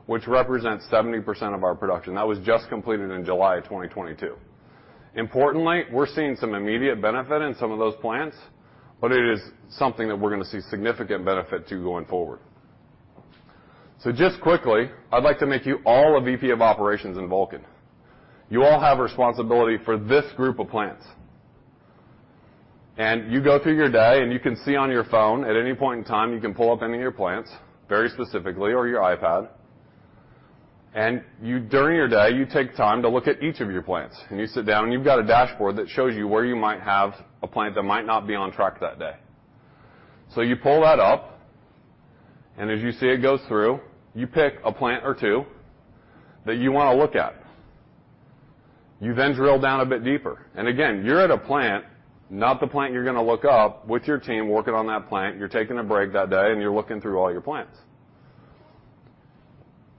which represents 70% of our production. That was just completed in July of 2022. Importantly, we're seeing some immediate benefit in some of those plants, but it is something that we're gonna see significant benefit to going forward. Just quickly, I'd like to make you all a VP of operations in Vulcan. You all have responsibility for this group of plants. You go through your day and you can see on your phone at any point in time. You can pull up any of your plants very specifically or your iPad. During your day, you take time to look at each of your plants. You sit down, and you've got a dashboard that shows you where you might have a plant that might not be on track that day. You pull that up, and as you see it goes through, you pick a plant or two that you wanna look at. You then drill down a bit deeper. Again, you're at a plant, not the plant you're gonna look up with your team working on that plant. You're taking a break that day, and you're looking through all your plants.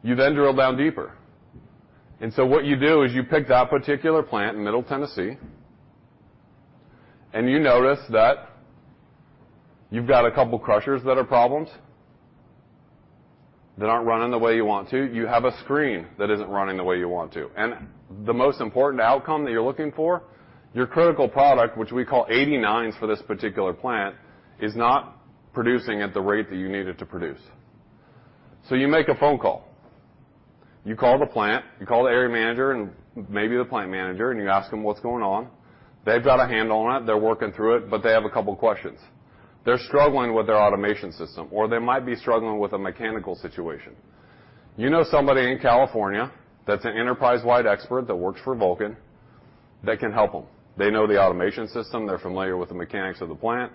You then drill down deeper. What you do is you pick that particular plant in Middle Tennessee, and you notice that you've got a couple crushers that are problems. They aren't running the way you want to. You have a screen that isn't running the way you want to. The most important outcome that you're looking for, your critical product, which we call #89s for this particular plant, is not producing at the rate that you need it to produce. You make a phone call. You call the plant, you call the area manager and maybe the plant manager, and you ask them what's going on. They've got a handle on it. They're working through it, but they have a couple questions. They're struggling with their automation system, or they might be struggling with a mechanical situation. You know somebody in California that's an enterprise-wide expert that works for Vulcan that can help them. They know the automation system. They're familiar with the mechanics of the plant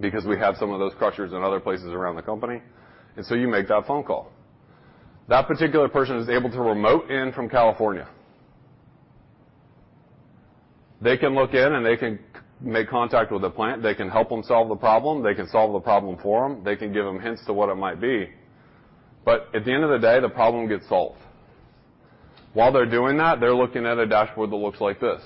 because we have some of those crushers in other places around the company. You make that phone call. That particular person is able to remote in from California. They can look in, and they can make contact with the plant. They can help them solve the problem. They can solve the problem for them. They can give them hints to what it might be. At the end of the day, the problem gets solved. While they're doing that, they're looking at a dashboard that looks like this.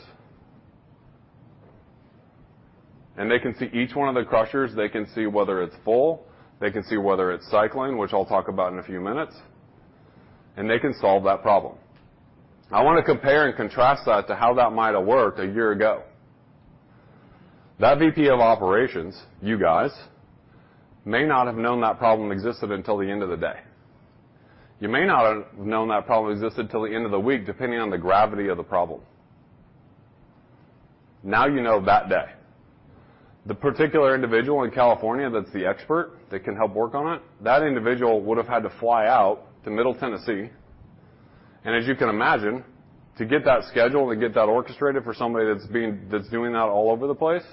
They can see each one of the crushers. They can see whether it's full. They can see whether it's cycling, which I'll talk about in a few minutes. They can solve that problem. I wanna compare and contrast that to how that might have worked a year ago. That VP of operations, you guys, may not have known that problem existed until the end of the day. You may not have known that problem existed till the end of the week, depending on the gravity of the problem. Now you know that day. The particular individual in California that's the expert that can help work on it, that individual would have had to fly out to Middle Tennessee. As you can imagine, to get that schedule, to get that orchestrated for somebody that's doing that all over the place,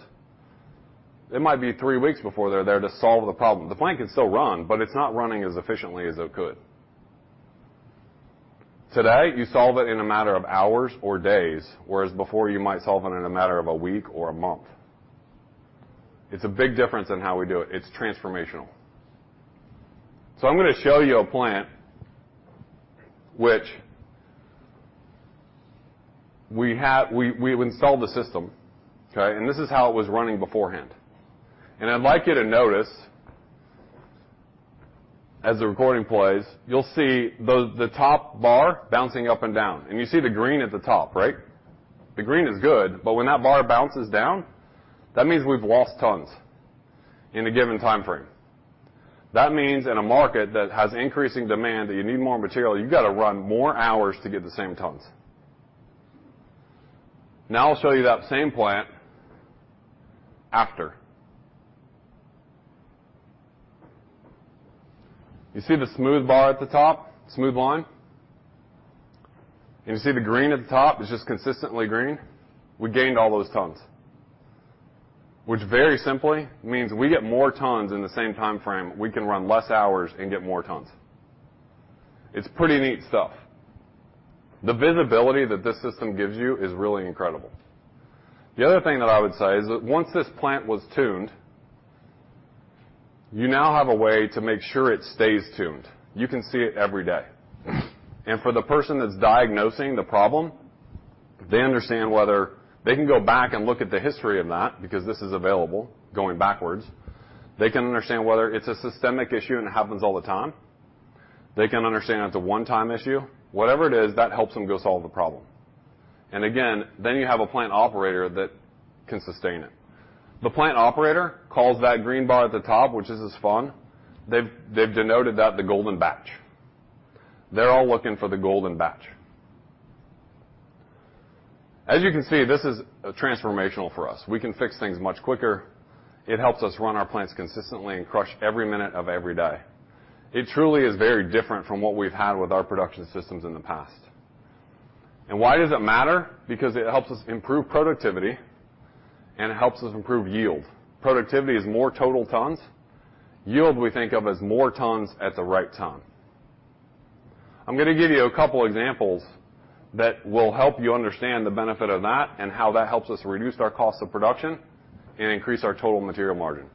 it might be three weeks before they're there to solve the problem. The plant can still run, but it's not running as efficiently as it could. Today, you solve it in a matter of hours or days, whereas before, you might solve it in a matter of a week or a month. It's a big difference in how we do it. It's transformational. I'm gonna show you a plant which we've installed the system, okay? This is how it was running beforehand. I'd like you to notice as the recording plays, you'll see the top bar bouncing up and down, and you see the green at the top, right? The green is good, but when that bar bounces down, that means we've lost tons in a given time frame. That means in a market that has increasing demand, that you need more material, you gotta run more hours to get the same tons. Now I'll show you that same plant after. You see the smooth bar at the top, smooth line? Can you see the green at the top is just consistently green? We gained all those tons, which very simply means we get more tons in the same time frame. We can run less hours and get more tons. It's pretty neat stuff. The visibility that this system gives you is really incredible. The other thing that I would say is that once this plant was tuned, you now have a way to make sure it stays tuned. You can see it every day. For the person that's diagnosing the problem, they understand whether they can go back and look at the history of that because this is available going backwards. They can understand whether it's a systemic issue, and it happens all the time. They can understand it's a one-time issue. Whatever it is, that helps them go solve the problem. Again, then you have a plant operator that can sustain it. The plant operator calls that green bar at the top, which is as fun. They've denoted that the golden batch. They're all looking for the golden batch. As you can see, this is transformational for us. We can fix things much quicker. It helps us run our plants consistently and crush every minute of every day. It truly is very different from what we've had with our production systems in the past. Why does it matter? Because it helps us improve productivity, and it helps us improve yield. Productivity is more total tons. Yield, we think of as more tons at the right time. I'm gonna give you a couple examples that will help you understand the benefit of that and how that helps us reduce our cost of production and increase our total material margin.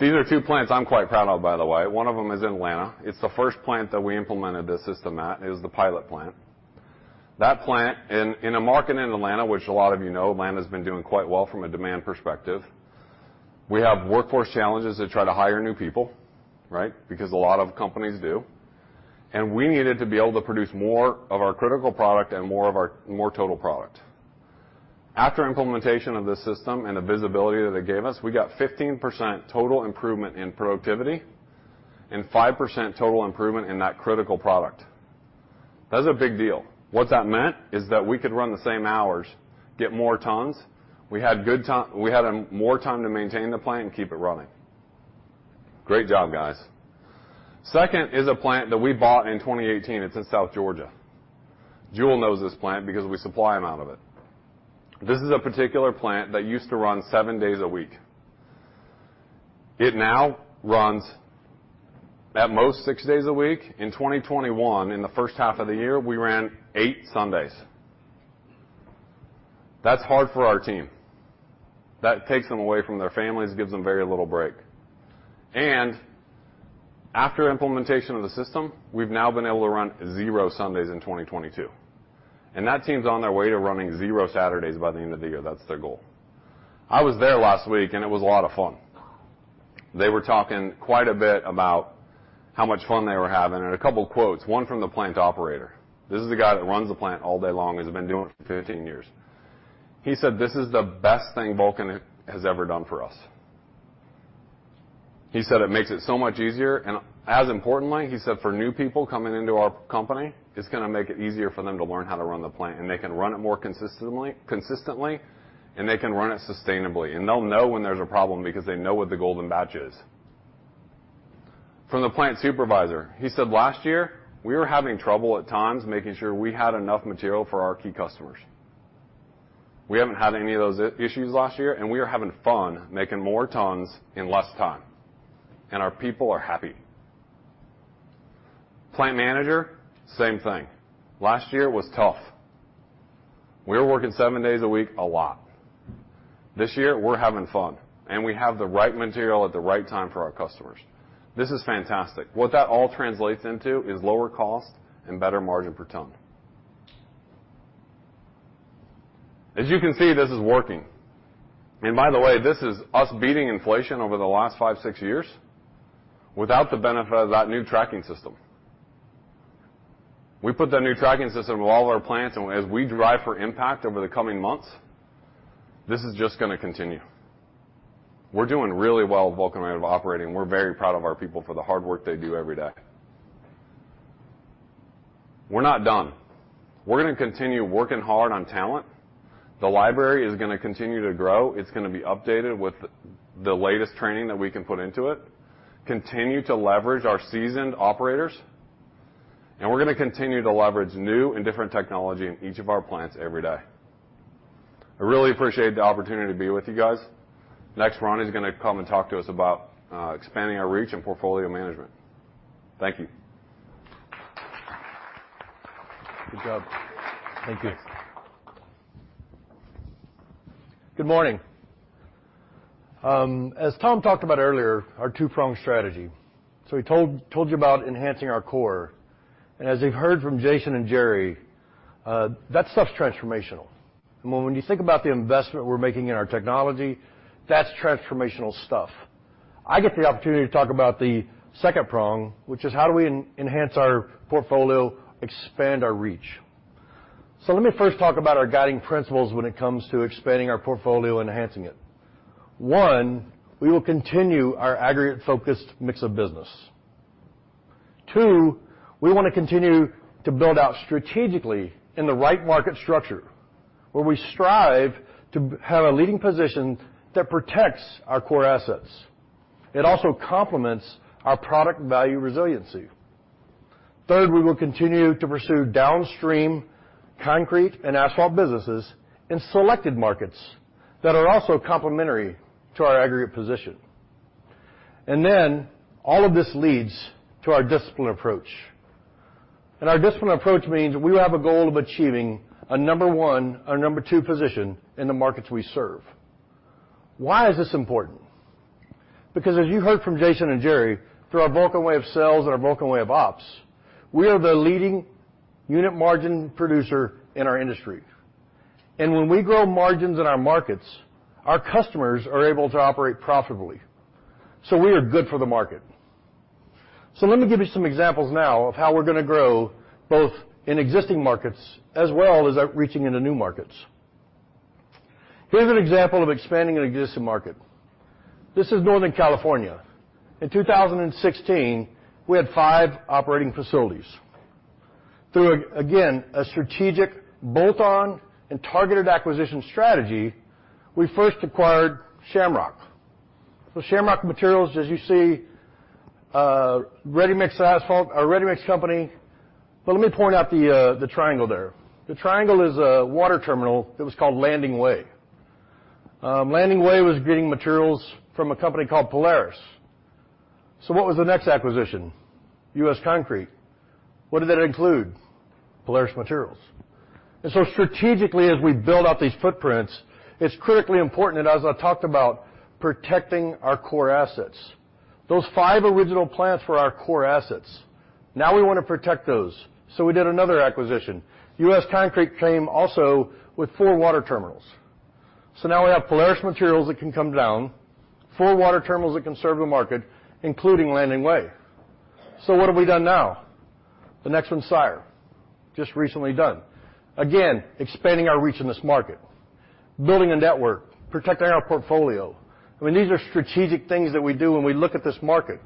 These are two plants I'm quite proud of, by the way. One of them is in Atlanta. It's the first plant that we implemented this system at. It was the pilot plant. That plant in a market in Atlanta, which a lot of you know, Atlanta's been doing quite well from a demand perspective. We have workforce challenges to try to hire new people, right, because a lot of companies do. We needed to be able to produce more of our critical product and more total product. After implementation of this system and the visibility that it gave us, we got 15% total improvement in productivity and 5% total improvement in that critical product. That's a big deal. What that meant is that we could run the same hours, get more tons. We had more time to maintain the plant and keep it running. Great job, guys. Second is a plant that we bought in 2018. It's in South Georgia. Jule knows this plant because we supply them out of it. This is a particular plant that used to run seven days a week. It now runs at most six days a week. In 2021, in the first half of the year, we ran eight Sundays. That's hard for our team. That takes them away from their families, gives them very little break. After implementation of the system, we've now been able to run zero Sundays in 2022, and that team's on their way to running zero Saturdays by the end of the year. That's their goal. I was there last week, and it was a lot of fun. They were talking quite a bit about how much fun they were having and a couple quotes, one from the plant operator. This is the guy that runs the plant all day long, has been doing it for 15 years. He said, "This is the best thing Vulcan has ever done for us." He said, "It makes it so much easier, and as importantly," he said, "for new people coming into our company, it's gonna make it easier for them to learn how to run the plant, and they can run it more consistently, and they can run it sustainably. They'll know when there's a problem because they know what the golden batch is. From the plant supervisor, he said, "Last year, we were having trouble at times making sure we had enough material for our key customers. We haven't had any of those issues last year, and we are having fun making more tons in less time, and our people are happy." Plant manager, same thing. "Last year was tough. We were working seven days a week a lot. This year, we're having fun, and we have the right material at the right time for our customers. This is fantastic." What that all translates into is lower cost and better margin per ton. As you can see, this is working. By the way, this is us beating inflation over the last five, six years without the benefit of that new tracking system. We put that new tracking system in all our plants, and as we drive for impact over the coming months, this is just gonna continue. We're doing really well at Vulcan Way of Operating, and we're very proud of our people for the hard work they do every day. We're not done. We're gonna continue working hard on talent. The library is gonna continue to grow. It's gonna be updated with the latest training that we can put into it, continue to leverage our seasoned operators, and we're gonna continue to leverage new and different technology in each of our plants every day. I really appreciate the opportunity to be with you guys. Next, Ronnie Pruitt's gonna come and talk to us about expanding our reach and portfolio management. Thank you. Good job. Thank you. Good morning. As Tom talked about earlier, our two-pronged strategy, he told you about enhancing our core, and as you've heard from Jason and Jerry, that stuff's transformational. When you think about the investment we're making in our technology, that's transformational stuff. I get the opportunity to talk about the second prong, which is how do we enhance our portfolio, expand our reach? Let me first talk about our guiding principles when it comes to expanding our portfolio and enhancing it. One, we will continue our aggregate-focused mix of business. Two, we wanna continue to build out strategically in the right market structure, where we strive to have a leading position that protects our core assets. It also complements our product value resiliency. Third, we will continue to pursue downstream concrete and asphalt businesses in selected markets that are also complementary to our aggregate position. Then all of this leads to our disciplined approach, and our disciplined approach means we have a goal of achieving a number one or number two position in the markets we serve. Why is this important? Because as you heard from Jason and Jerry, through our Vulcan Way of Selling and our Vulcan Way of Operating, we are the leading unit margin producer in our industry. When we grow margins in our markets, our customers are able to operate profitably, so we are good for the market. Let me give you some examples now of how we're gonna grow both in existing markets as well as out-reaching into new markets. Here's an example of expanding an existing market. This is Northern California. In 2016, we had five operating facilities. Through a strategic bolt-on and targeted acquisition strategy, we first acquired Shamrock. Shamrock Materials, as you see, ready-mix asphalt, a ready-mix company, but let me point out the triangle there. The triangle is a water terminal that was called Landing Way. Landing Way was getting materials from a company called Polaris. What was the next acquisition? U.S. Concrete. What did that include? Polaris Materials. Strategically, as we build out these footprints, it's critically important, and as I talked about, protecting our core assets. Those five original plants were our core assets. Now we wanna protect those, so we did another acquisition. U.S. Concrete came also with four water terminals, so now we have Polaris Materials that can come down, four water terminals that can serve the market, including Landing Way. What have we done now? The next one's Syar, just recently done. Again, expanding our reach in this market, building a network, protecting our portfolio. I mean, these are strategic things that we do when we look at this market.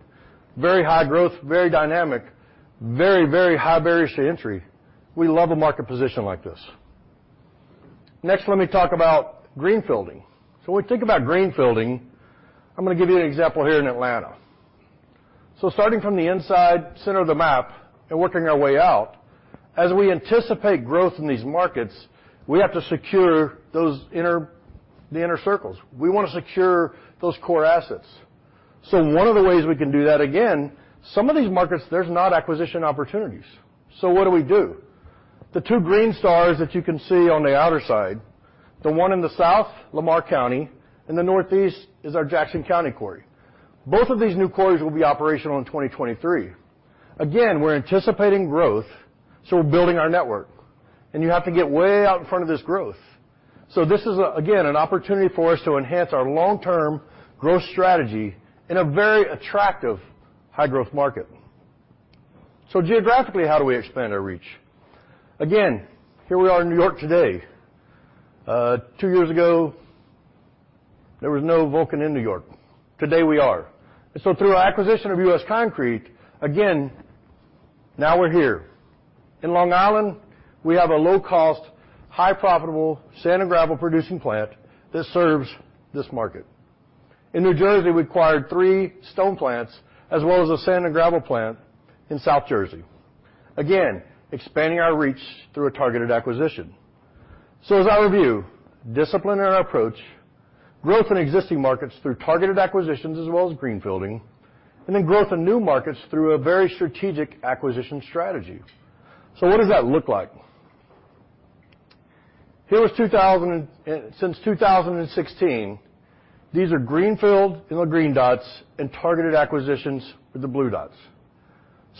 Very high growth, very dynamic, very, very high barriers to entry. We love a market position like this. Next, let me talk about greenfielding. When we think about greenfielding, I'm gonna give you an example here in Atlanta. Starting from the inside, center of the map, and working our way out, as we anticipate growth in these markets, we have to secure those inner circles. We wanna secure those core assets. One of the ways we can do that, again, some of these markets, there's not acquisition opportunities. What do we do? The two green stars that you can see on the outer side, the one in the south, Lamar County, in the northeast is our Jackson County quarry. Both of these new quarries will be operational in 2023. Again, we're anticipating growth, so we're building our network, and you have to get way out in front of this growth. This is a, again, an opportunity for us to enhance our long-term growth strategy in a very attractive high-growth market. Geographically, how do we expand our reach? Again, here we are in New York today. Two years ago, there was no Vulcan in New York. Today, we are. Through our acquisition of U.S. Concrete, again, now we're here. In Long Island, we have a low-cost, highly profitable sand and gravel producing plant that serves this market. In New Jersey, we acquired three stone plants, as well as a sand and gravel plant in South Jersey. Again, expanding our reach through a targeted acquisition. As I review, discipline in our approach, growth in existing markets through targeted acquisitions as well as greenfielding, and then growth in new markets through a very strategic acquisition strategy. What does that look like? Here, since 2016, these are greenfield in the green dots and targeted acquisitions with the blue dots.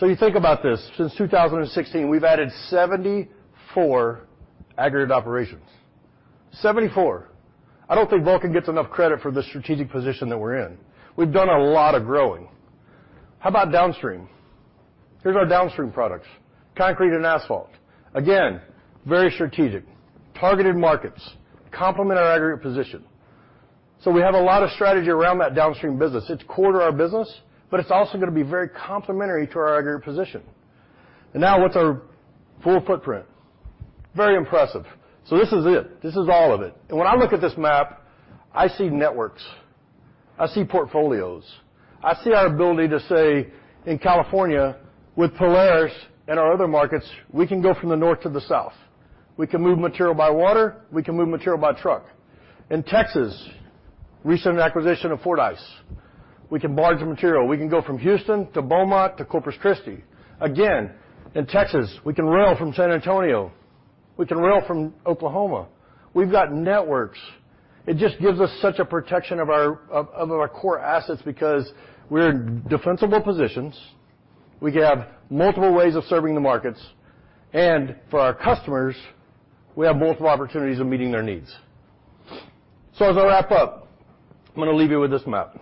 You think about this. Since 2016, we've added 74 aggregate operations. 74. I don't think Vulcan gets enough credit for the strategic position that we're in. We've done a lot of growing. How about downstream? Here's our downstream products, concrete and asphalt. Again, very strategic. Targeted markets complement our aggregate position. We have a lot of strategy around that downstream business. It's core to our business, but it's also gonna be very complementary to our aggregate position. Now what's our full footprint? Very impressive. This is it. This is all of it. When I look at this map, I see networks, I see portfolios, I see our ability to say in California, with Polaris and our other markets, we can go from the north to the south. We can move material by water, we can move material by truck. In Texas, recent acquisition of Fordyce, we can barge the material. We can go from Houston to Beaumont to Corpus Christi. Again, in Texas, we can rail from San Antonio, we can rail from Oklahoma. We've got networks. It just gives us such a protection of our core assets because we're in defensible positions, we have multiple ways of serving the markets, and for our customers, we have multiple opportunities of meeting their needs. As I wrap up, I'm gonna leave you with this map.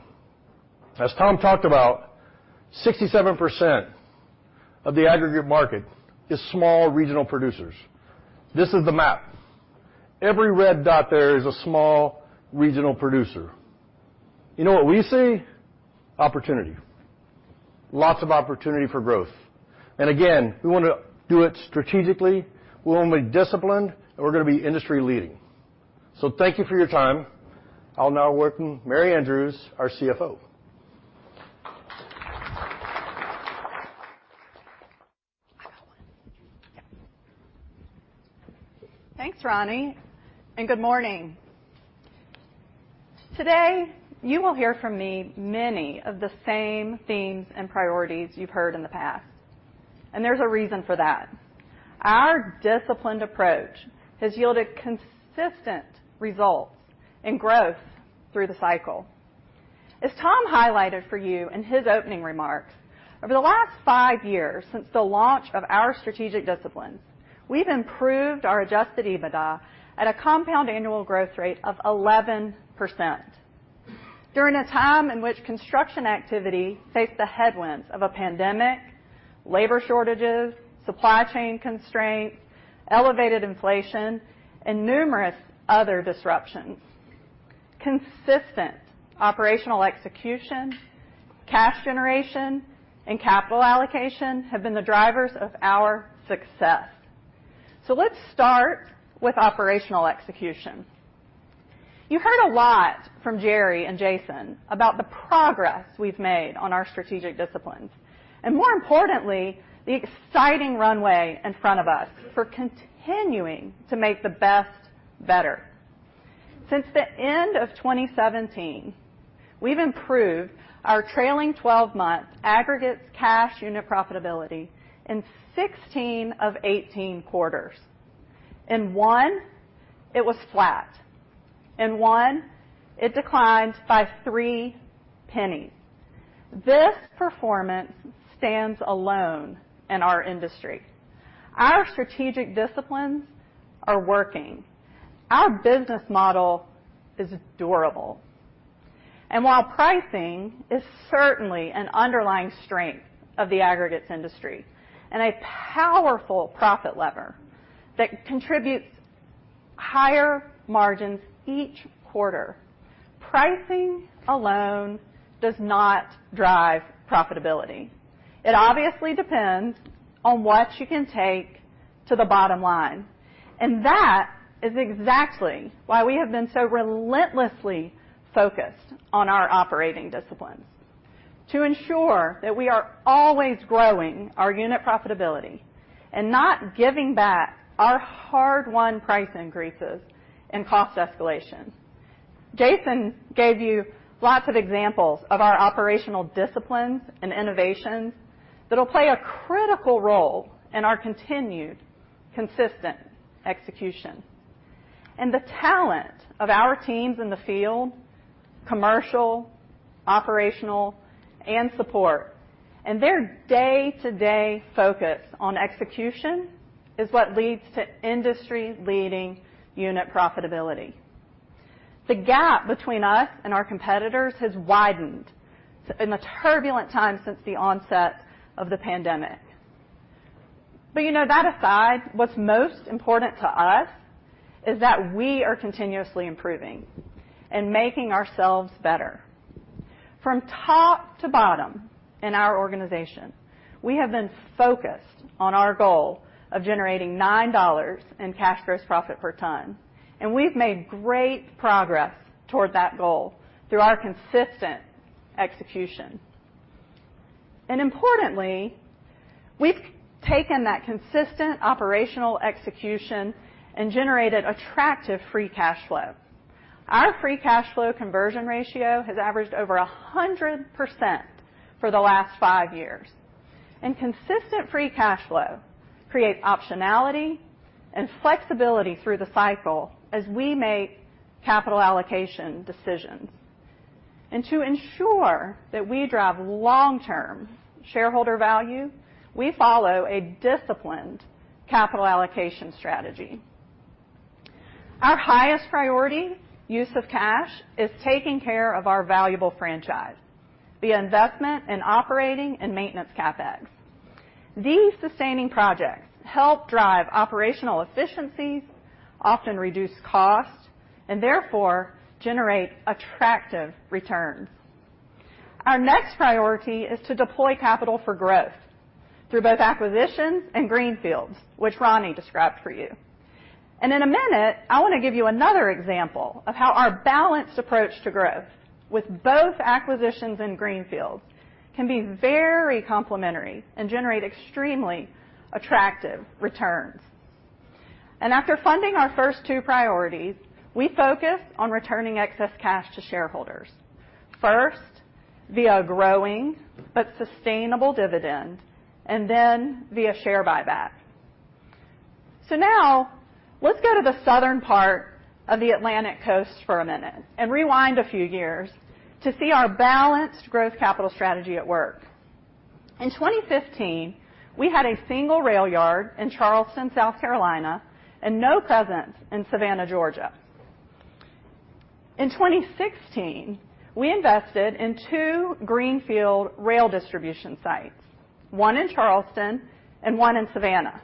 As Tom talked about, 67% of the aggregate market is small regional producers. This is the map. Every red dot there is a small regional producer. You know what we see? Opportunity. Lots of opportunity for growth. Again, we wanna do it strategically, we wanna be disciplined, and we're gonna be industry-leading. Thank you for your time. I'll now welcome Mary Andrews, our CFO. I got one. Yeah. Thanks, Ronnie, and good morning. Today, you will hear from me many of the same themes and priorities you've heard in the past, and there's a reason for that. Our disciplined approach has yielded consistent results and growth through the cycle. As Tom highlighted for you in his opening remarks, over the last five years since the launch of our strategic disciplines, we've improved our Adjusted EBITDA at a compound annual growth rate of 11% during a time in which construction activity faced the headwinds of a pandemic, labor shortages, supply chain constraints, elevated inflation, and numerous other disruptions. Consistent operational execution, cash generation, and capital allocation have been the drivers of our success. Let's start with operational execution. You heard a lot from Jerry and Jason about the progress we've made on our strategic disciplines, and more importantly, the exciting runway in front of us for continuing to make the best better. Since the end of 2017, we've improved our trailing 12-month aggregates cash unit profitability in 16 of 18 quarters. In one, it was flat. In one, it declined by three pennies. This performance stands alone in our industry. Our strategic disciplines are working. Our business model is durable. While pricing is certainly an underlying strength of the aggregates industry and a powerful profit lever that contributes higher margins each quarter, pricing alone does not drive profitability. It obviously depends on what you can take to the bottom line, and that is exactly why we have been so relentlessly focused on our operating disciplines, to ensure that we are always growing our unit profitability and not giving back our hard-won price increases and cost escalations. Jason gave you lots of examples of our operational disciplines and innovations that'll play a critical role in our continued consistent execution. The talent of our teams in the field, commercial, operational, and support, and their day-to-day focus on execution is what leads to industry-leading unit profitability. The gap between us and our competitors has widened in the turbulent times since the onset of the pandemic. You know, that aside, what's most important to us is that we are continuously improving and making ourselves better. From top to bottom in our organization, we have been focused on our goal of generating $9 in cash gross profit per ton, and we've made great progress toward that goal through our consistent execution. Importantly, we've taken that consistent operational execution and generated attractive free cash flow. Our free cash flow conversion ratio has averaged over 100% for the last five years. Consistent free cash flow creates optionality and flexibility through the cycle as we make capital allocation decisions. To ensure that we drive long-term shareholder value, we follow a disciplined capital allocation strategy. Our highest priority use of cash is taking care of our valuable franchise via investment in operating and maintenance CapEx. These sustaining projects help drive operational efficiencies, often reduce costs, and therefore generate attractive returns. Our next priority is to deploy capital for growth through both acquisitions and greenfields, which Ronnie described for you. In a minute, I want to give you another example of how our balanced approach to growth with both acquisitions and greenfields can be very complementary and generate extremely attractive returns. After funding our first two priorities, we focus on returning excess cash to shareholders, first via growing but sustainable dividend, and then via share buyback. Now let's go to the southern part of the Atlantic coast for a minute and rewind a few years to see our balanced growth capital strategy at work. In 2015, we had a single rail yard in Charleston, South Carolina, and no presence in Savannah, Georgia. In 2016, we invested in two greenfield rail distribution sites, one in Charleston and one in Savannah.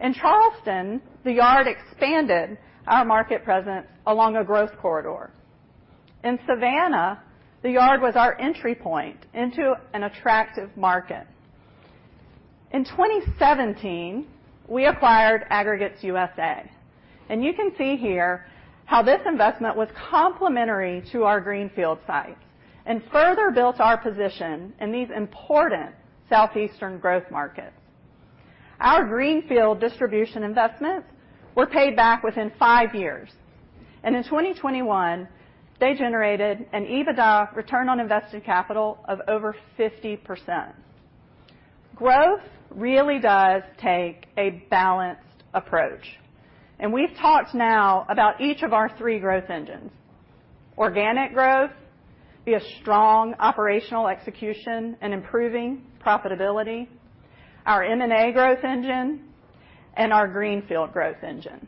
In Charleston, the yard expanded our market presence along a growth corridor. In Savannah, the yard was our entry point into an attractive market. In 2017, we acquired Aggregates USA, and you can see here how this investment was complementary to our greenfield sites and further built our position in these important Southeastern growth markets. Our greenfield distribution investments were paid back within five years, and in 2021, they generated an EBITDA return on invested capital of over 50%. Growth really does take a balanced approach. We've talked now about each of our three growth engines, organic growth via strong operational execution and improving profitability, our M&A growth engine, and our greenfield growth engine.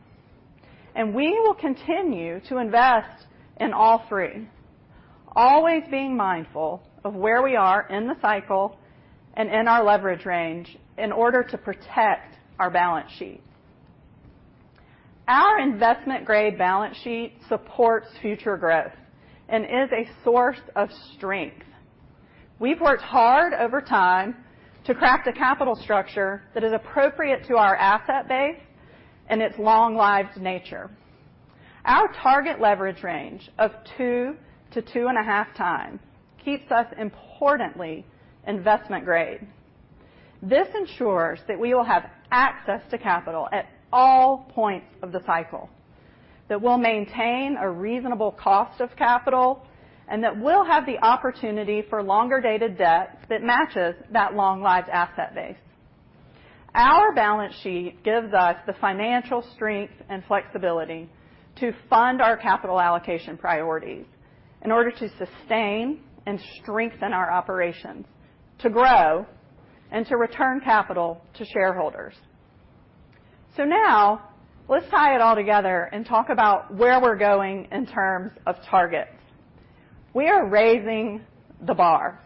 We will continue to invest in all three, always being mindful of where we are in the cycle and in our leverage range in order to protect our balance sheet. Our investment-grade balance sheet supports future growth and is a source of strength. We've worked hard over time to craft a capital structure that is appropriate to our asset base and its long-lived nature. Our target leverage range of 2x to 2.5x keeps us, importantly, investment grade. This ensures that we will have access to capital at all points of the cycle, that we'll maintain a reasonable cost of capital, and that we'll have the opportunity for longer-dated debt that matches that long-lived asset base. Our balance sheet gives us the financial strength and flexibility to fund our capital allocation priorities in order to sustain and strengthen our operations, to grow, and to return capital to shareholders. Now let's tie it all together and talk about where we're going in terms of targets. We are raising the bar.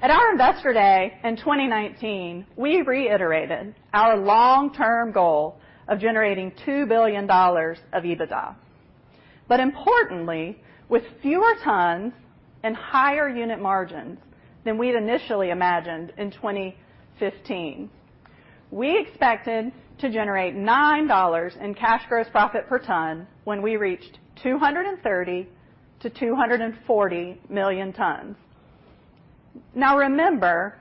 At our Investor Day in 2019, we reiterated our long-term goal of generating $2 billion of EBITDA, but importantly, with fewer tons and higher unit margins than we'd initially imagined in 2015. We expected to generate $9 in cash gross profit per ton when we reached 230 to 240 million tons. Now, remember,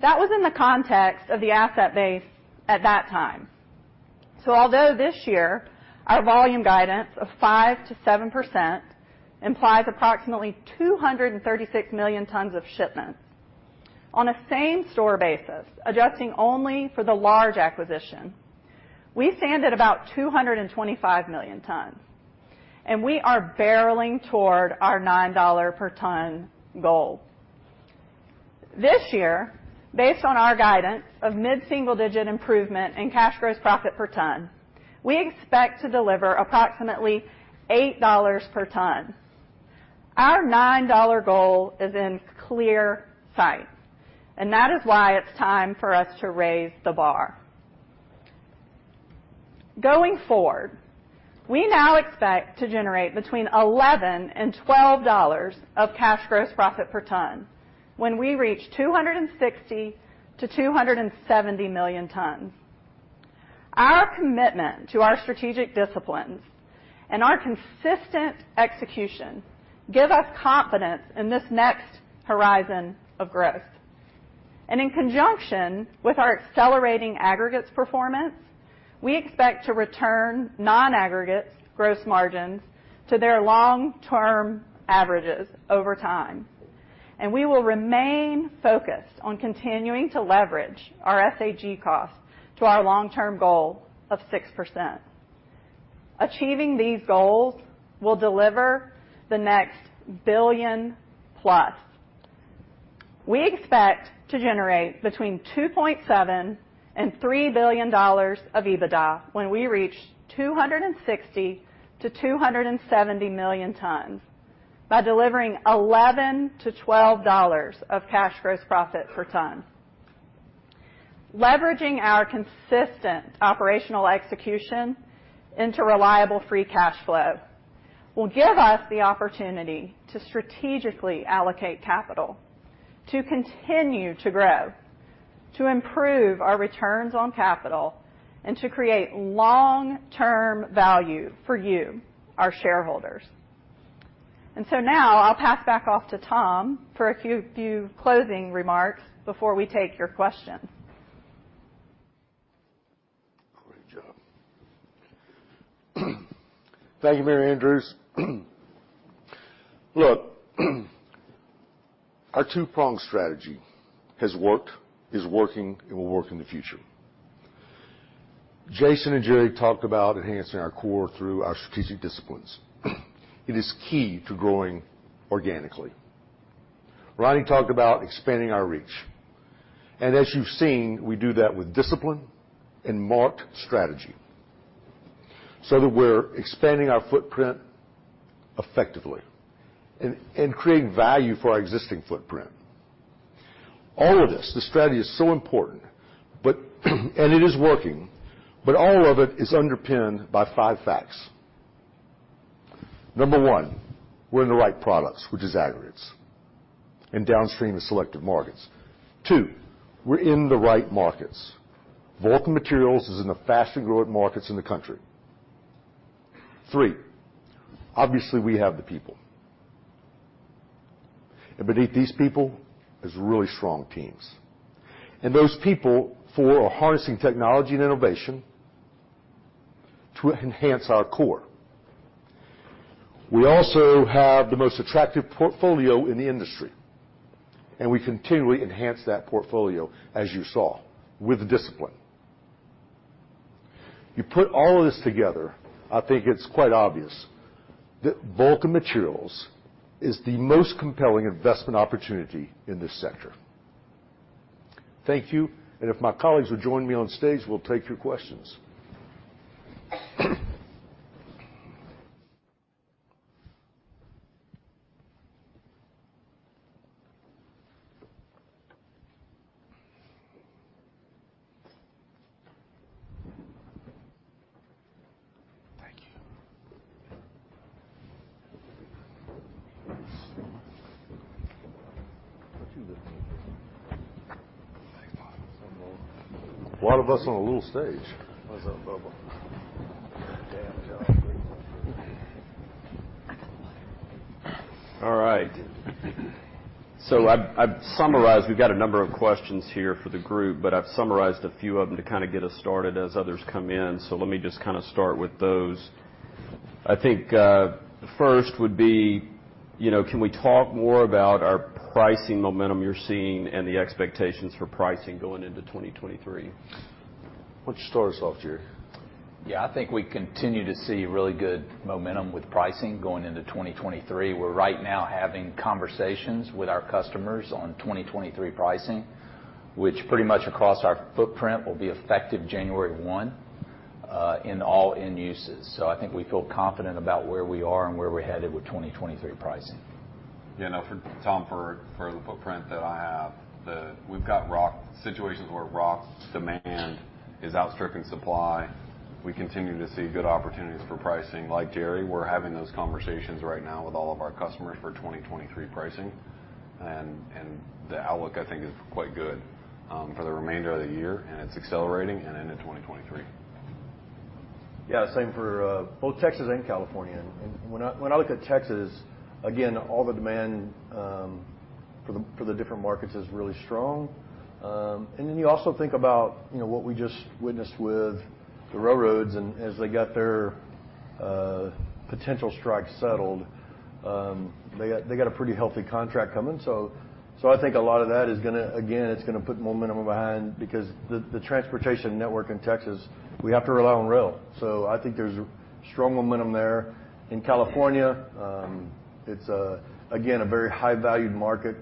that was in the context of the asset base at that time. Although this year our volume guidance of 5% to 7% implies approximately 236 million tons of shipments, on a same-store basis, adjusting only for the large acquisition, we stand at about 225 million tons, and we are barreling toward our $9 per ton goal. This year, based on our guidance of mid-single-digit improvement in cash gross profit per ton, we expect to deliver approximately $8 per ton. Our $9 goal is in clear sight, and that is why it's time for us to raise the bar. Going forward, we now expect to generate between $11 and $12 of cash gross profit per ton when we reach 260 to 270 million tons. Our commitment to our strategic disciplines and our consistent execution give us confidence in this next horizon of growth. In conjunction with our accelerating aggregates performance, we expect to return non-aggregates gross margins to their long-term averages over time. We will remain focused on continuing to leverage our SAG cost to our long-term goal of 6%. Achieving these goals will deliver the next $1 billion+. We expect to generate between $2.7 billion and $3 billion of EBITDA when we reach 260 to 270 million tons by delivering $11 to $12 of cash gross profit per ton. Leveraging our consistent operational execution into reliable free cash flow will give us the opportunity to strategically allocate capital to continue to grow, to improve our returns on capital, and to create long-term value for you, our shareholders. Now I'll pass back off to Tom for a few closing remarks before we take your questions. Great job. Thank you, Mary Andrews. Look, our two-pronged strategy has worked, is working, and will work in the future. Jason and Jerry talked about enhancing our core through our strategic disciplines. It is key to growing organically. Ronnie talked about expanding our reach, and as you've seen, we do that with discipline and M&A strategy so that we're expanding our footprint effectively and creating value for our existing footprint. All of this, the strategy is so important, but it is working, but all of it is underpinned by five facts. Number one, we're in the right products, which is aggregates and downstream and selective markets. Two, we're in the right markets. Vulcan Materials is in the fastest-growing markets in the country. Three, obviously, we have the people. Beneath these people is really strong teams. Those people, four, are harnessing technology and innovation to enhance our core. We also have the most attractive portfolio in the industry, and we continually enhance that portfolio, as you saw, with discipline. You put all of this together, I think it's quite obvious that Vulcan Materials is the most compelling investment opportunity in this sector. Thank you. If my colleagues would join me on stage, we'll take your questions. Thank you. All of us on a little stage. How's that, Bubba? Damn job. All right. I've summarized. We've got a number of questions here for the group, but I've summarized a few of them to kinda get us started as others come in, so let me just kinda start with those. I think, the first would be, you know, can we talk more about our pricing momentum you're seeing and the expectations for pricing going into 2023? Why don't you start us off, Jerry? Yeah, I think we continue to see really good momentum with pricing going into 2023. We're right now having conversations with our customers on 2023 pricing, which pretty much across our footprint will be effective January 1 in all end uses. I think we feel confident about where we are and where we're headed with 2023 pricing. Yeah, no, Tom, for the footprint that I have, we've got situations where rock demand is outstripping supply. We continue to see good opportunities for pricing. Like Jerry, we're having those conversations right now with all of our customers for 2023 pricing. The outlook, I think, is quite good for the remainder of the year, and it's accelerating and into 2023. Yeah, same for both Texas and California. When I look at Texas, again, all the demand for the different markets is really strong. Then you also think about, you know, what we just witnessed with the railroads and as they got their potential strike settled, they got a pretty healthy contract coming. So I think a lot of that is gonna put momentum behind again because the transportation network in Texas, we have to rely on rail, so I think there's strong momentum there. In California, it's again a very high-valued market,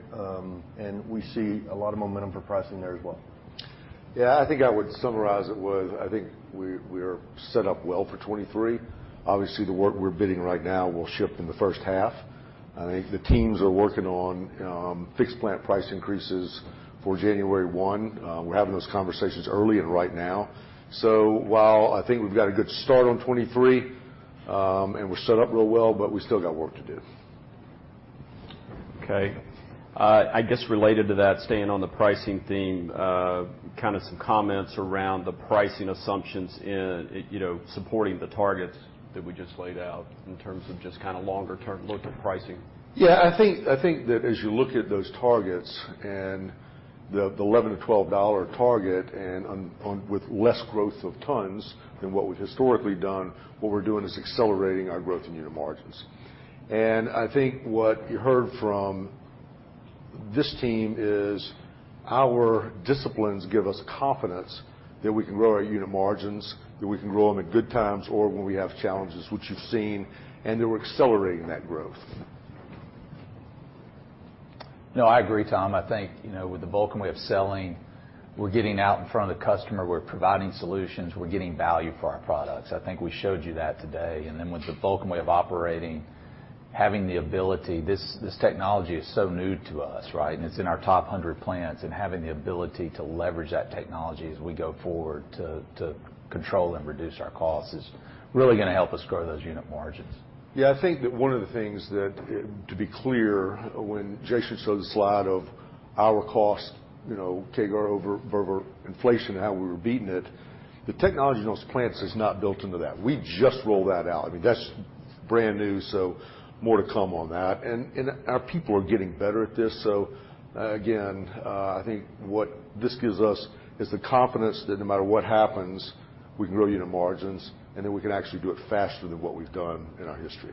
and we see a lot of momentum for pricing there as well. Yeah. I think we're set up well for 2023. Obviously, the work we're bidding right now will ship in the first half. I think the teams are working on fixed plant price increases for January 1. We're having those conversations early and right now. While I think we've got a good start on 2023 and we're set up real well, but we still got work to do. Okay. I guess related to that, staying on the pricing theme, kinda some comments around the pricing assumptions in, you know, supporting the targets that we just laid out in terms of just kinda longer-term look at pricing. Yeah. I think that as you look at those targets and the $11 to $12 target and on with less growth of tons than what we've historically done, what we're doing is accelerating our growth in unit margins. I think what you heard from this team is our disciplines give us confidence that we can grow our unit margins, that we can grow them at good times or when we have challenges, which you've seen, and that we're accelerating that growth. No, I agree, Tom. I think, you know, with the Vulcan Way of Selling, we're getting out in front of the customer. We're providing solutions. We're getting value for our products. I think we showed you that today. With the Vulcan Way of Operating, having the ability, this technology is so new to us, right? It's in our top 100 plants, and having the ability to leverage that technology as we go forward to control and reduce our costs is really gonna help us grow those unit margins. Yeah, I think that one of the things that, to be clear, when Jason showed the slide of our cost, you know, CAGR over inflation and how we were beating it, the technology in those plants is not built into that. We just rolled that out. I mean, that's brand new, so more to come on that. Our people are getting better at this. Again, I think what this gives us is the confidence that no matter what happens, we can grow unit margins, and then we can actually do it faster than what we've done in our history.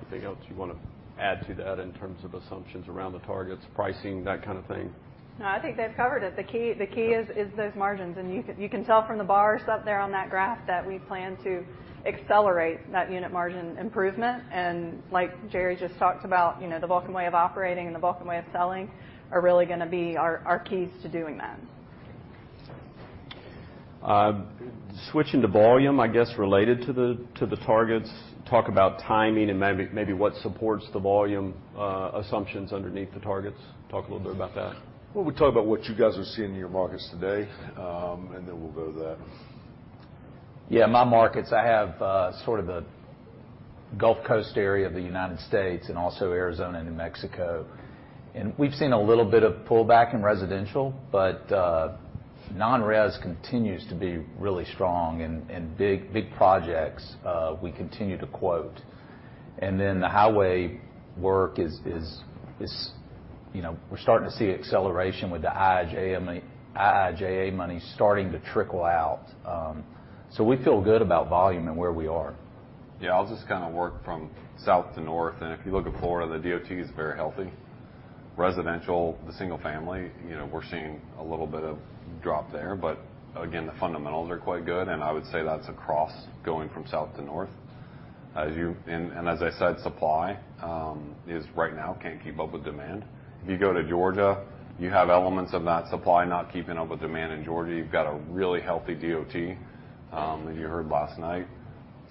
Anything else you wanna add to that in terms of assumptions around the targets, pricing, that kind of thing? No, I think they've covered it. The key is those margins. You can tell from the bars up there on that graph that we plan to accelerate that unit margin improvement. Like Jerry just talked about, you know, the Vulcan Way of Operating and the Vulcan Way of Selling are really gonna be our keys to doing that. Switching to volume, I guess, related to the targets. Talk about timing and maybe what supports the volume assumptions underneath the targets. Talk a little bit about that. Well, we'll talk about what you guys are seeing in your markets today, and then we'll go to that. Yeah, my markets, I have sort of the Gulf Coast area of the United States and also Arizona and New Mexico. We've seen a little bit of pullback in residential, but non-res continues to be really strong. Big projects we continue to quote. Then the highway work is, you know, we're starting to see acceleration with the IIJA money starting to trickle out. So we feel good about volume and where we are. Yeah, I'll just kind of work from south to north. If you look at Florida, the DOT is very healthy. Residential, the single family, you know, we're seeing a little bit of drop there. Again, the fundamentals are quite good, and I would say that's across going from south to north. As I said, supply is right now can't keep up with demand. If you go to Georgia, you have elements of that supply not keeping up with demand in Georgia. You've got a really healthy DOT, that you heard last night.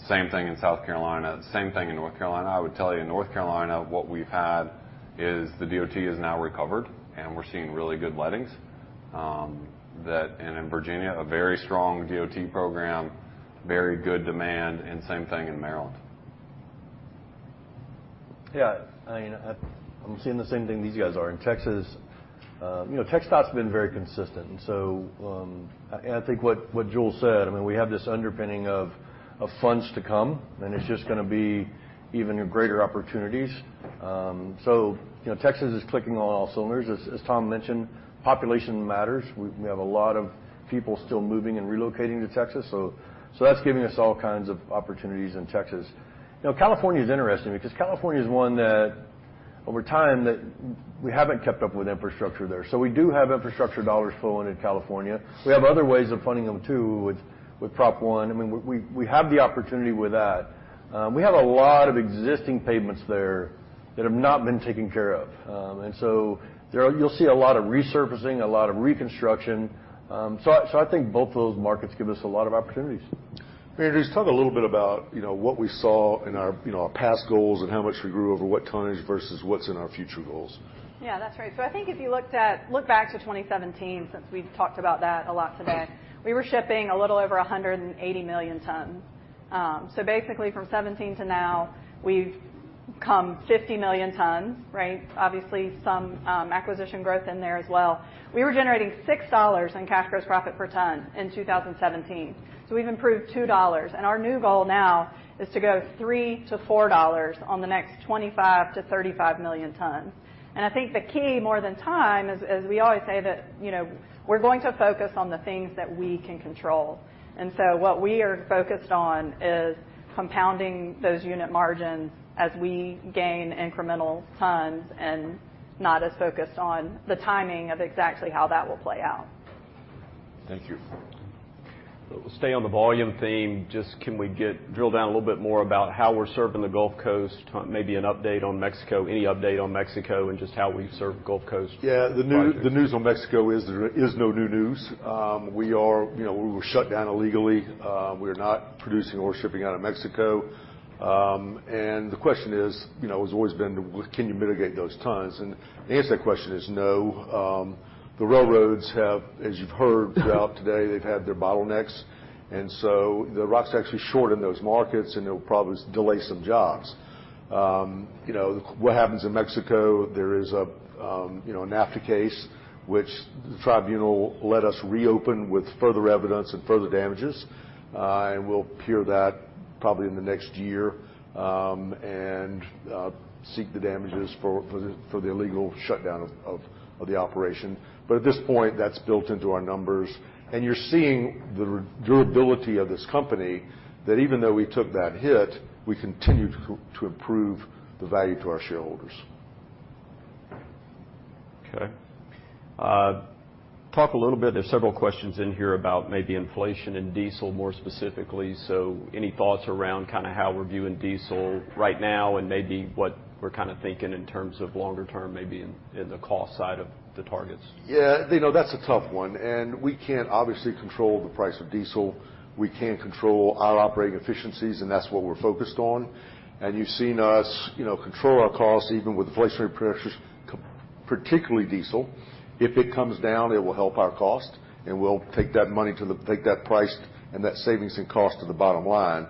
Same thing in South Carolina. Same thing in North Carolina. I would tell you, in North Carolina, what we've had is the DOT is now recovered, and we're seeing really good lettings. In Virginia, a very strong DOT program, very good demand, and same thing in Maryland. Yeah, I mean, I'm seeing the same thing these guys are. In Texas, you know, TxDOT's been very consistent. I think what Jule said, I mean, we have this underpinning of funds to come, and it's just gonna be even greater opportunities. You know, Texas is firing on all cylinders. As Tom mentioned, population matters. We have a lot of people still moving and relocating to Texas, so that's giving us all kinds of opportunities in Texas. You know, California is interesting because California is one that over time we haven't kept up with infrastructure there. We do have infrastructure dollars flowing in California. We have other ways of funding them too, with Proposition 1. I mean, we have the opportunity with that. We have a lot of existing pavements there that have not been taken care of. There you'll see a lot of resurfacing, a lot of reconstruction. I think both of those markets give us a lot of opportunities. Mary, just talk a little bit about, you know, what we saw in our, you know, our past goals and how much we grew over what tonnage versus what's in our future goals. Yeah, that's right. I think if you look back to 2017 since we've talked about that a lot today, we were shipping a little over 180 million tons. Basically from '17 to now, we've come 50 million tons, right? Obviously some acquisition growth in there as well. We were generating $6 in cash gross profit per ton in 2017, so we've improved $2. Our new goal now is to go $3 to $4 on the next 25 to 35 million tons. I think the key more than time is we always say that, you know, we're going to focus on the things that we can control. What we are focused on is compounding those unit margins as we gain incremental tons and not as focused on the timing of exactly how that will play out. Thank you. Stay on the volume theme. Just, can we get drill down a little bit more about how we're serving the Gulf Coast, maybe an update on Mexico, any update on Mexico, and just how we serve Gulf Coast projects? Yeah, the news on Mexico is there is no new news. You know, we were shut down illegally. We are not producing or shipping out of Mexico. The question is, you know, has always been can you mitigate those tons? The answer to that question is no. The railroads have, as you've heard throughout today, they've had their bottlenecks. The rock's actually short in those markets, and it'll probably delay some jobs. You know, what happens in Mexico, there is a NAFTA case, which the tribunal led us reopen with further evidence and further damages. We'll hear that probably in the next year, and seek the damages for the illegal shutdown of the operation. At this point, that's built into our numbers. You're seeing the durability of this company, that even though we took that hit, we continue to improve the value to our shareholders. Okay. Talk a little bit, there's several questions in here about maybe inflation and diesel more specifically. Any thoughts around kinda how we're viewing diesel right now and maybe what we're kinda thinking in terms of longer-term, maybe in the cost side of the targets? Yeah. You know, that's a tough one. We can't obviously control the price of diesel. We can control our operating efficiencies, and that's what we're focused on. You've seen us, you know, control our costs even with inflationary pressures, particularly diesel. If it comes down, it will help our cost, and we'll take that price and that savings in cost to the bottom line.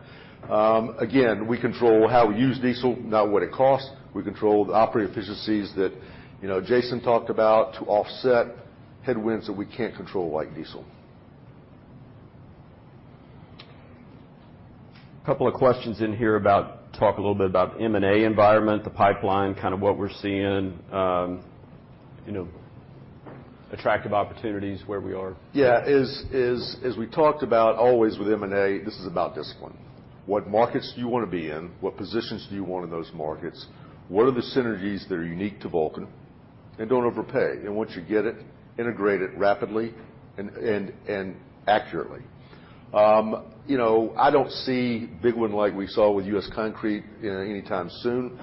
Again, we control how we use diesel, not what it costs. We control the operating efficiencies that, you know, Jason talked about to offset headwinds that we can't control, like diesel. Couple of questions in here. Talk a little bit about M&A environment, the pipeline, kinda what we're seeing, you know, attractive opportunities, where we are. Yeah. As we talked about always with M&A, this is about discipline. What markets do you wanna be in? What positions do you want in those markets? What are the synergies that are unique to Vulcan? Don't overpay. Once you get it, integrate it rapidly and accurately. You know, I don't see big one like we saw with U.S. Concrete anytime soon.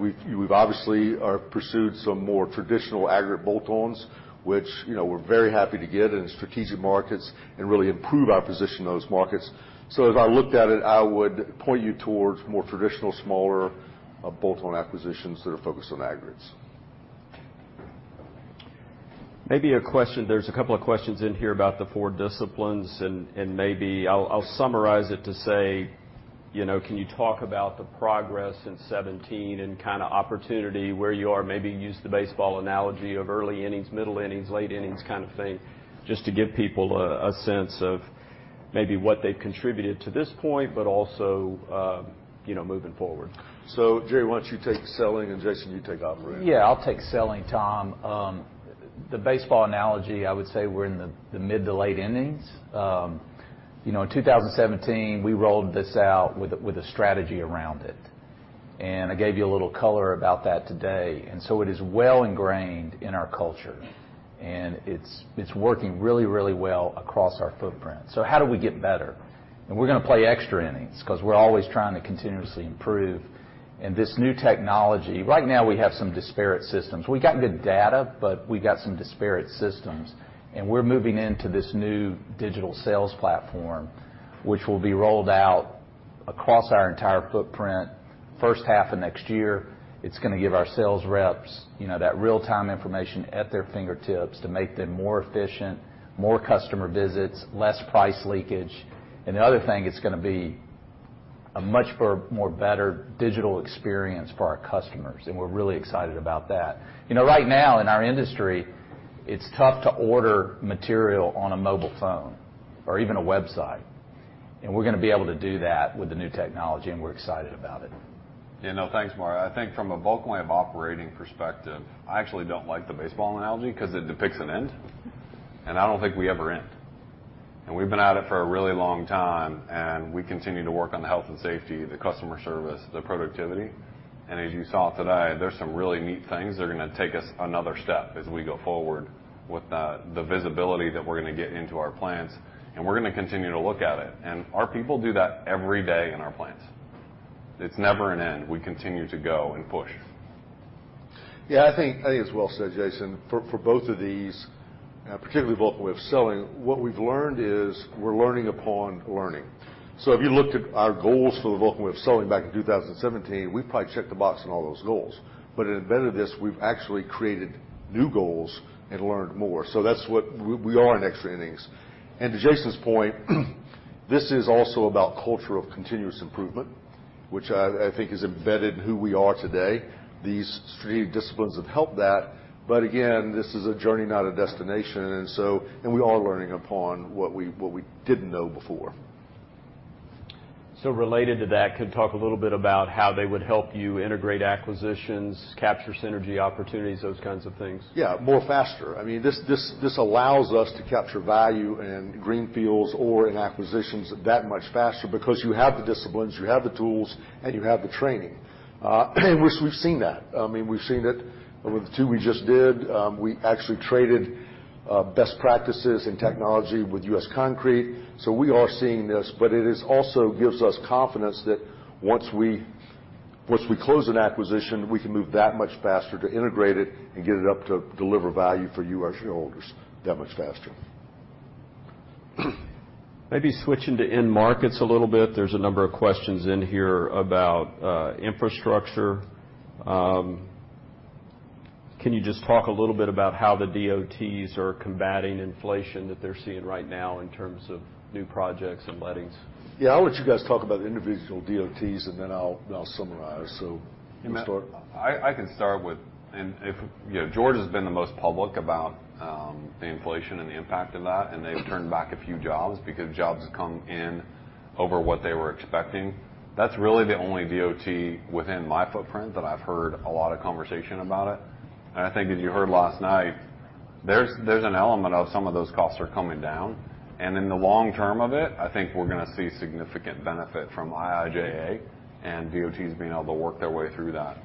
We've obviously pursued some more traditional aggregate bolt-ons, which, you know, we're very happy to get in strategic markets and really improve our position in those markets. As I looked at it, I would point you towards more traditional, smaller, bolt-on acquisitions that are focused on aggregates. Maybe a question. There's a couple of questions in here about the four disciplines, and maybe I'll summarize it to say, you know, can you talk about the progress in 2017 and kind of opportunity where you are? Maybe use the baseball analogy of early innings, middle innings, late innings kind of thing, just to give people a sense of maybe what they've contributed to this point, but also, you know, moving forward. Jerry, why don't you take selling, and Jason, you take operating? Yeah, I'll take selling, Tom. The baseball analogy, I would say we're in the mid-to-late innings. You know, in 2017, we rolled this out with a strategy around it. I gave you a little color about that today. It is well ingrained in our culture, and it's working really, really well across our footprint. How do we get better? We're gonna play extra innings 'cause we're always trying to continuously improve. This new technology, right now we have some disparate systems. We got good data, but we got some disparate systems, and we're moving into this new digital sales platform, which will be rolled out across our entire footprint first half of next year. It's gonna give our sales reps, you know, that real-time information at their fingertips to make them more efficient, more customer visits, less price leakage. The other thing, it's gonna be a much more better digital experience for our customers, and we're really excited about that. You know, right now in our industry, it's tough to order material on a mobile phone or even a website, and we're gonna be able to do that with the new technology, and we're excited about it. Yeah, no, thanks, Jerry. I think from a Vulcan Way of Operating perspective, I actually don't like the baseball analogy 'cause it depicts an end, and I don't think we ever end. We've been at it for a really long time, and we continue to work on the health and safety, the customer service, the productivity. As you saw today, there's some really neat things that are gonna take us another step as we go forward with the visibility that we're gonna get into our plants, and we're gonna continue to look at it. Our people do that every day in our plants. It's never an end. We continue to go and push. Yeah. I think it's well said, Jason. For both of these, particularly Vulcan Way of Selling, what we've learned is we're learning upon learning. If you looked at our goals for the Vulcan Way of Selling back in 2017, we probably checked the box on all those goals. It embedded this, we've actually created new goals and learned more. That's what we are in extra innings. To Jason's point, this is also about culture of continuous improvement, which I think is embedded in who we are today. These strategic disciplines have helped that. Again, this is a journey, not a destination. We are learning upon what we didn't know before. Related to that, could you talk a little bit about how they would help you integrate acquisitions, capture synergy opportunities, those kinds of things? Yeah, more faster. I mean, this allows us to capture value in greenfields or in acquisitions that much faster because you have the disciplines, you have the tools, and you have the training. Which we've seen that. I mean, we've seen it with the two we just did. We actually traded best practices in technology with U.S. Concrete, so we are seeing this. It also gives us confidence that once we close an acquisition, we can move that much faster to integrate it and get it up to deliver value for you, our shareholders, that much faster. Maybe switching to end markets a little bit. There's a number of questions in here about infrastructure. Can you just talk a little bit about how the DOTs are combating inflation that they're seeing right now in terms of new projects and lettings? Yeah. I'll let you guys talk about individual DOTs, and then I'll summarize. You wanna start? I can start with if you know, Georgia has been the most public about the inflation and the impact of that, and they've turned back a few jobs because jobs come in over what they were expecting. That's really the only DOT within my footprint that I've heard a lot of conversation about it. I think as you heard last night, there's an element of some of those costs are coming down. In the long-term of it, I think we're gonna see significant benefit from IIJA and DOTs being able to work their way through that.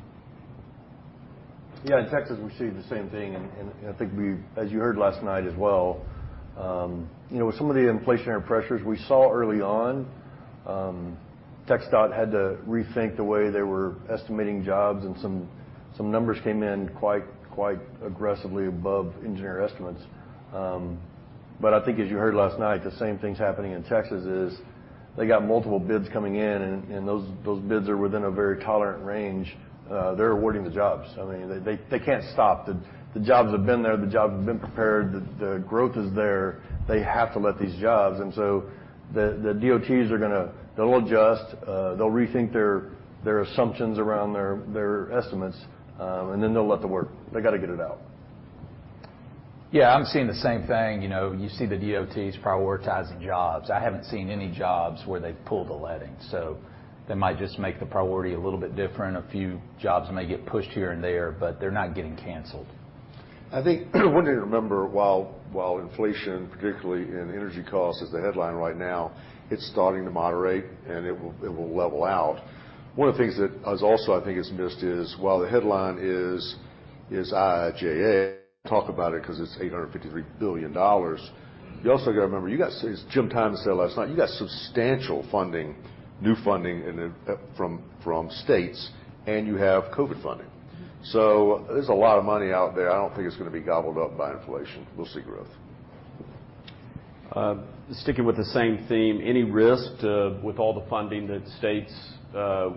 Yeah. In Texas, we're seeing the same thing. As you heard last night as well, you know, with some of the inflationary pressures we saw early on, TxDOT had to rethink the way they were estimating jobs and some numbers came in quite aggressively above engineer estimates. I think as you heard last night, the same thing's happening in Texas is they got multiple bids coming in, and those bids are within a very tolerant range. They're awarding the jobs. I mean, they can't stop. The jobs have been there, the jobs have been prepared, the growth is there. They have to let these jobs. The DOTs are gonna. They'll adjust, they'll rethink their assumptions around their estimates, and then they'll let the work. They gotta get it out. Yeah. I'm seeing the same thing. You know, you see the DOTs prioritizing jobs. I haven't seen any jobs where they've pulled the letting. They might just make the priority a little bit different. A few jobs may get pushed here and there, but they're not getting canceled. I think one thing to remember while inflation, particularly in energy costs, is the headline right now, it's starting to moderate, and it will level out. One of the things that is also I think is missed is while the headline is IIJA, talk about it 'cause it's $853 billion. You also gotta remember, as Jim Tymon said last night, you got substantial funding, new funding from states, and you have COVID funding. There's a lot of money out there. I don't think it's gonna be gobbled up by inflation. We'll see growth. Sticking with the same theme, any risk with all the funding that states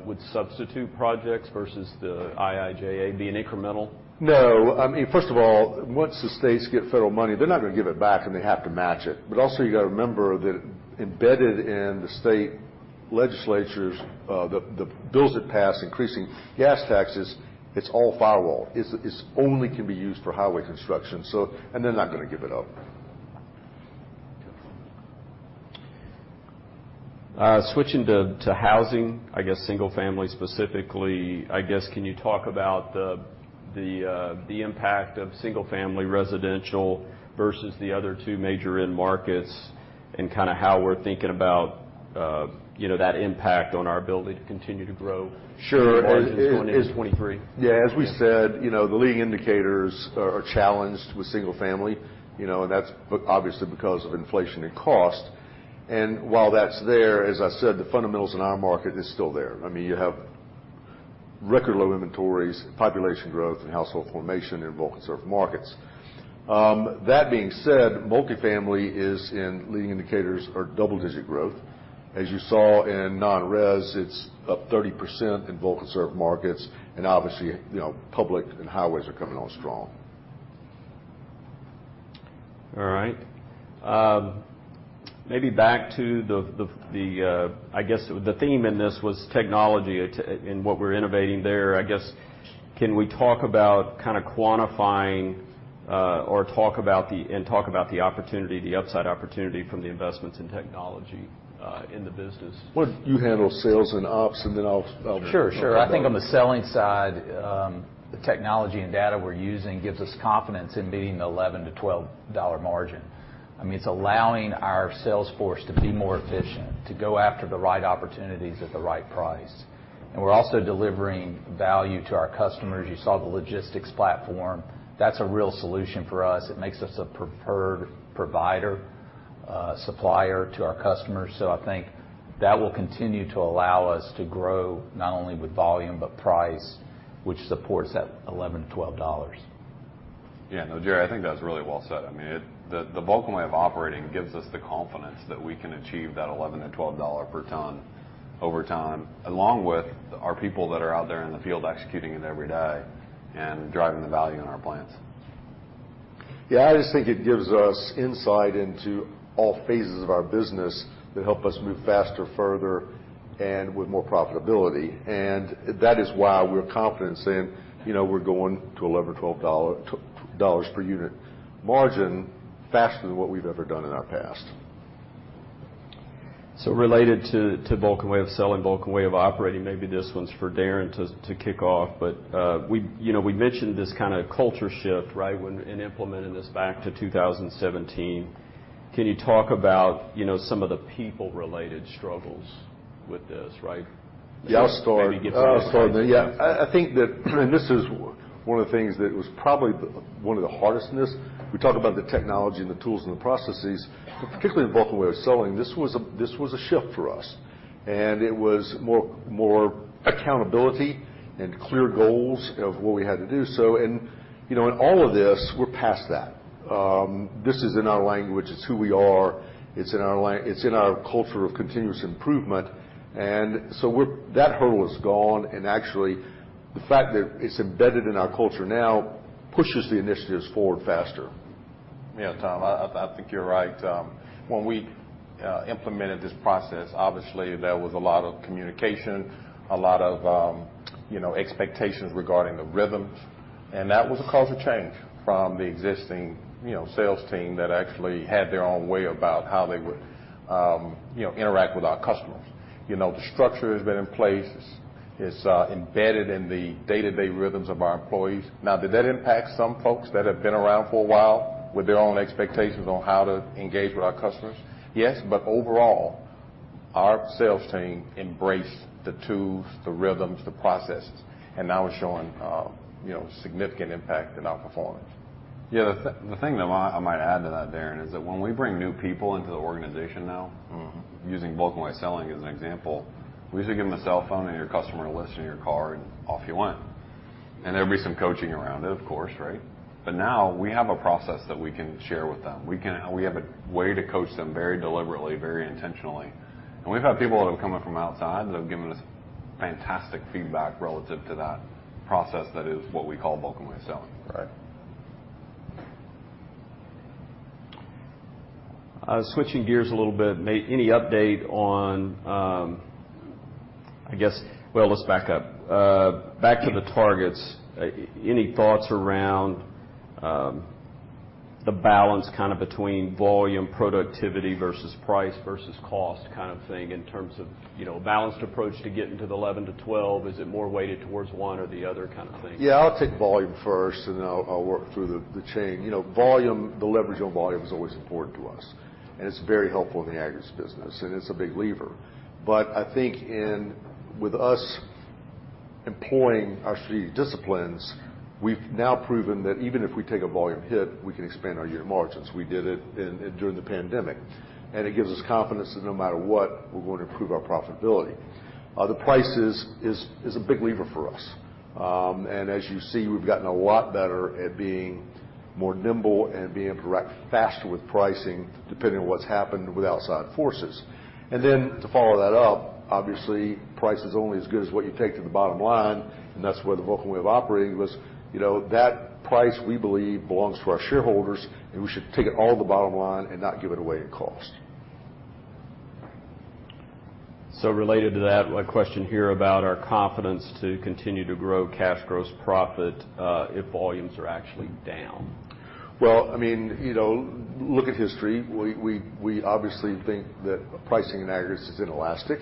would substitute projects versus the IIJA being incremental? No. I mean, first of all, once the states get federal money, they're not gonna give it back, and they have to match it. Also, you gotta remember that embedded in the state legislatures, the bills that pass increasing gas taxes, it's all firewall. It's only can be used for highway construction. They're not gonna give it up. Switching to housing, I guess single family specifically, I guess, can you talk about the impact of single family residential versus the other two major end markets and kinda how we're thinking about, you know, that impact on our ability to continue to grow? Sure. Margins going into 2023? Yeah. As we said, you know, the leading indicators are challenged with single family. You know, that's obviously because of inflation and cost. While that's there, as I said, the fundamentals in our market is still there. I mean, you have record low inventories, population growth, and household formation in Vulcan-served markets. That being said, multifamily is in leading indicators or double-digit growth. As you saw in non-res, it's up 30% in Vulcan-served markets, and obviously, you know, public and highways are coming on strong. All right. Maybe back to the theme in this was technology and what we're innovating there. I guess, can we talk about kinda quantifying or talk about the opportunity, the upside opportunity from the investments in technology in the business? Well, you handle sales and ops, and then I'll— Sure. I think on the selling side, the technology and data we're using gives us confidence in meeting the $11 to $12 margin. I mean, it's allowing our sales force to be more efficient, to go after the right opportunities at the right price. We're also delivering value to our customers. You saw the logistics platform. That's a real solution for us. It makes us a preferred provider, supplier to our customers. I think that will continue to allow us to grow not only with volume, but price, which supports that $11 to $12. Yeah. No, Jerry, I think that's really well said. I mean, the Vulcan Way of Operating gives us the confidence that we can achieve that $11 to $12 per ton over time, along with our people that are out there in the field executing it every day and driving the value in our plans. Yeah. I just think it gives us insight into all phases of our business to help us move faster, further, and with more profitability. That is why we're confident saying, you know, we're going to $11 or $12 per ton margin faster than what we've ever done in our past. Related to Vulcan Way of Selling, Vulcan Way of Operating, maybe this one's for Darren to kick off, but we, you know, we mentioned this kinda culture shift, right? In implementing this back to 2017. Can you talk about, you know, some of the people-related struggles with this, right? Yeah. I'll start. Maybe give some. I'll start. Yeah. I think that this is one of the things that was probably one of the hardest in this. We talk about the technology and the tools and the processes, but particularly the Vulcan Way of Selling, this was a shift for us. It was more accountability and clear goals of what we had to do. You know, in all of this, we're past that. This is in our language. It's who we are. It's in our culture of continuous improvement. That hurdle is gone. Actually, the fact that it's embedded in our culture now pushes the initiatives forward faster. Yeah, Tom, I think you're right. When we implemented this process, obviously, there was a lot of communication, a lot of you know, expectations regarding the rhythms, and that was a culture change from the existing, you know, sales team that actually had their own way about how they would you know, interact with our customers. You know, the structure has been in place. It's embedded in the day-to-day rhythms of our employees. Now, did that impact some folks that have been around for a while with their own expectations on how to engage with our customers? Yes. Overall, our sales team embraced the tools, the rhythms, the processes, and now we're showing you know, significant impact in our performance. Yeah. The thing that I might add to that, Darren, is that when we bring new people into the organization now using Vulcan Way selling as an example, we used to give them a cell phone and your customer list in your car and off you went. There'd be some coaching around it, of course, right? Now we have a process that we can share with them. We have a way to coach them very deliberately, very intentionally. We've had people that have come in from outside that have given us fantastic feedback relative to that process that is what we call Vulcan Way selling. Right. Switching gears a little bit. Any update on, I guess. Well, let's back up. Back to the targets. Any thoughts around, the balance kinda between volume productivity versus price versus cost kind of thing in terms of, you know, a balanced approach to getting to the 11 to 12? Is it more weighted towards one or the other kind of thing? Yeah, I'll take volume first, and then I'll work through the chain. You know, volume, the leverage on volume is always important to us, and it's very helpful in the aggregates business, and it's a big lever. But I think with us employing our three disciplines, we've now proven that even if we take a volume hit, we can expand our unit margins. We did it during the pandemic, and it gives us confidence that no matter what, we're going to improve our profitability. The prices is a big lever for us. As you see, we've gotten a lot better at being more nimble and being able to react faster with pricing depending on what's happened with outside forces. To follow that up, obviously, price is only as good as what you take to the bottom line, and that's where the Vulcan Way of Operating was. You know, that price, we believe, belongs to our shareholders, and we should take it all to the bottom line and not give it away in cost. Related to that, a question here about our confidence to continue to grow cash gross profit, if volumes are actually down. Well, I mean, you know, look at history. We obviously think that pricing in aggregates is inelastic,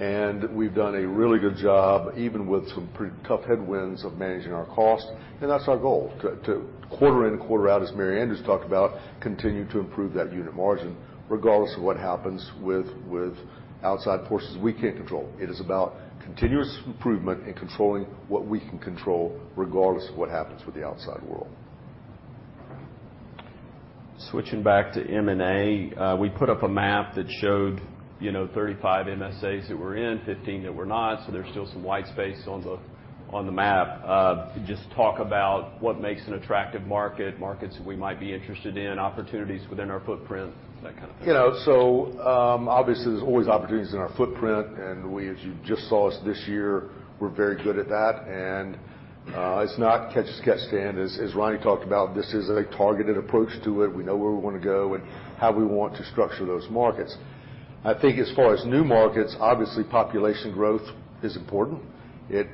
and we've done a really good job even with some pretty tough headwinds of managing our cost, and that's our goal. To quarter in, quarter out, as Mary Andrews talked about, continue to improve that unit margin regardless of what happens with outside forces we can't control. It is about continuous improvement and controlling what we can control regardless of what happens with the outside world. Switching back to M&A. We put up a map that showed, you know, 35 MSAs that we're in, 15 that we're not, so there's still some white space on the map. Just talk about what makes an attractive market, markets that we might be interested in, opportunities within our footprint, that kind of thing. You know, obviously, there's always opportunities in our footprint, and we, as you just saw us this year, we're very good at that. It's not catch as catch can. As Ronnie talked about, this is a targeted approach to it. We know where we wanna go and how we want to structure those markets. I think as far as new markets, obviously, population growth is important. It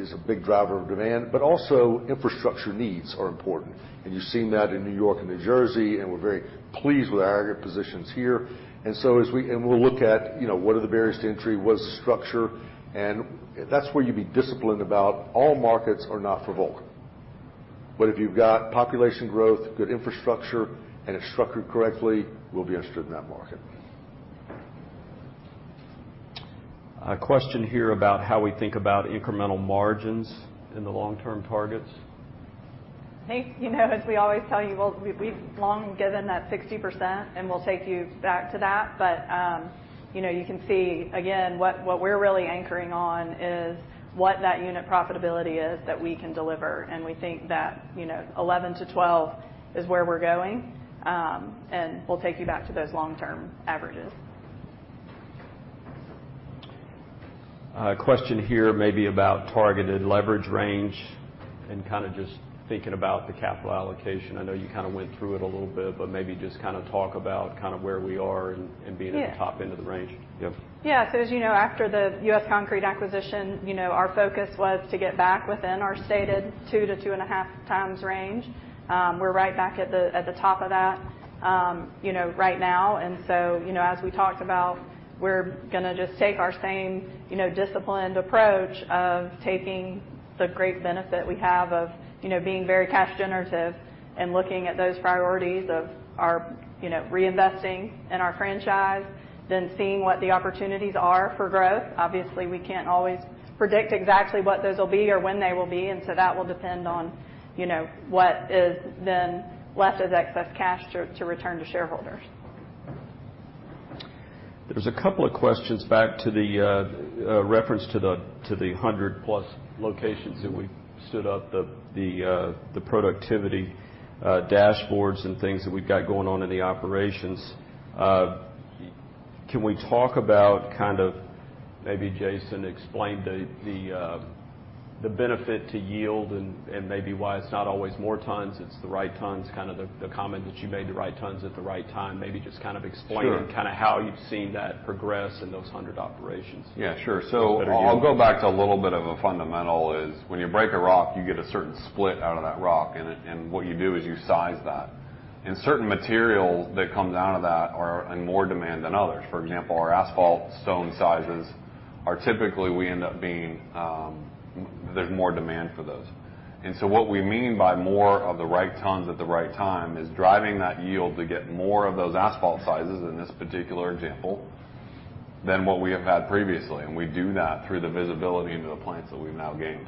is a big driver of demand, but also infrastructure needs are important. You've seen that in New York and New Jersey, and we're very pleased with our aggregate positions here. We'll look at, you know, what are the barriers to entry, what is the structure, and that's where you be disciplined about all markets are not for Vulcan. If you've got population growth, good infrastructure, and it's structured correctly, we'll be interested in that market. A question here about how we think about incremental margins in the long-term targets. Nick, you know, as we always tell you, well, we've long given that 60%, and we'll take you back to that. You know, you can see again, what we're really anchoring on is what that unit profitability is that we can deliver. We think that, you know, 11 to 12 is where we're going, and we'll take you back to those long-term averages. A question here maybe about targeted leverage range and kinda just thinking about the capital allocation. I know you kinda went through it a little bit, but maybe just kinda talk about kinda where we are in being at the top end of the range. Yeah. Yeah. As you know, after the U.S. Concrete acquisition, you know, our focus was to get back within our stated 2x to 2.5x range. We're right back at the top of that, you know, right now. As we talked about, we're gonna just take our same, you know, disciplined approach of taking the great benefit we have of, you know, being very cash generative and looking at those priorities of our, you know, reinvesting in our franchise, then seeing what the opportunities are for growth. Obviously, we can't always predict exactly what those will be or when they will be, and so that will depend on, you know, what is then left as excess cash to return to shareholders. There's a couple of questions back to the reference to the 100+ locations that we've stood up, the productivity dashboards and things that we've got going on in the operations. Can we talk about kind of maybe Jason explained the benefit to yield and maybe why it's not always more tons, it's the right tons, kind of the comment that you made, the right tons at the right time. Maybe just kind of explain— Sure. Kind of how you've seen that progress in those 100 operations. Yeah, sure. I'll go back to a little bit of a fundamental is when you break a rock, you get a certain split out of that rock, and what you do is you size that. Certain materials that come down to that are in more demand than others. For example, our asphalt stone sizes are typically we end up being, there's more demand for those. What we mean by more of the right tons at the right time is driving that yield to get more of those asphalt sizes in this particular example than what we have had previously, and we do that through the visibility into the plants that we've now gained.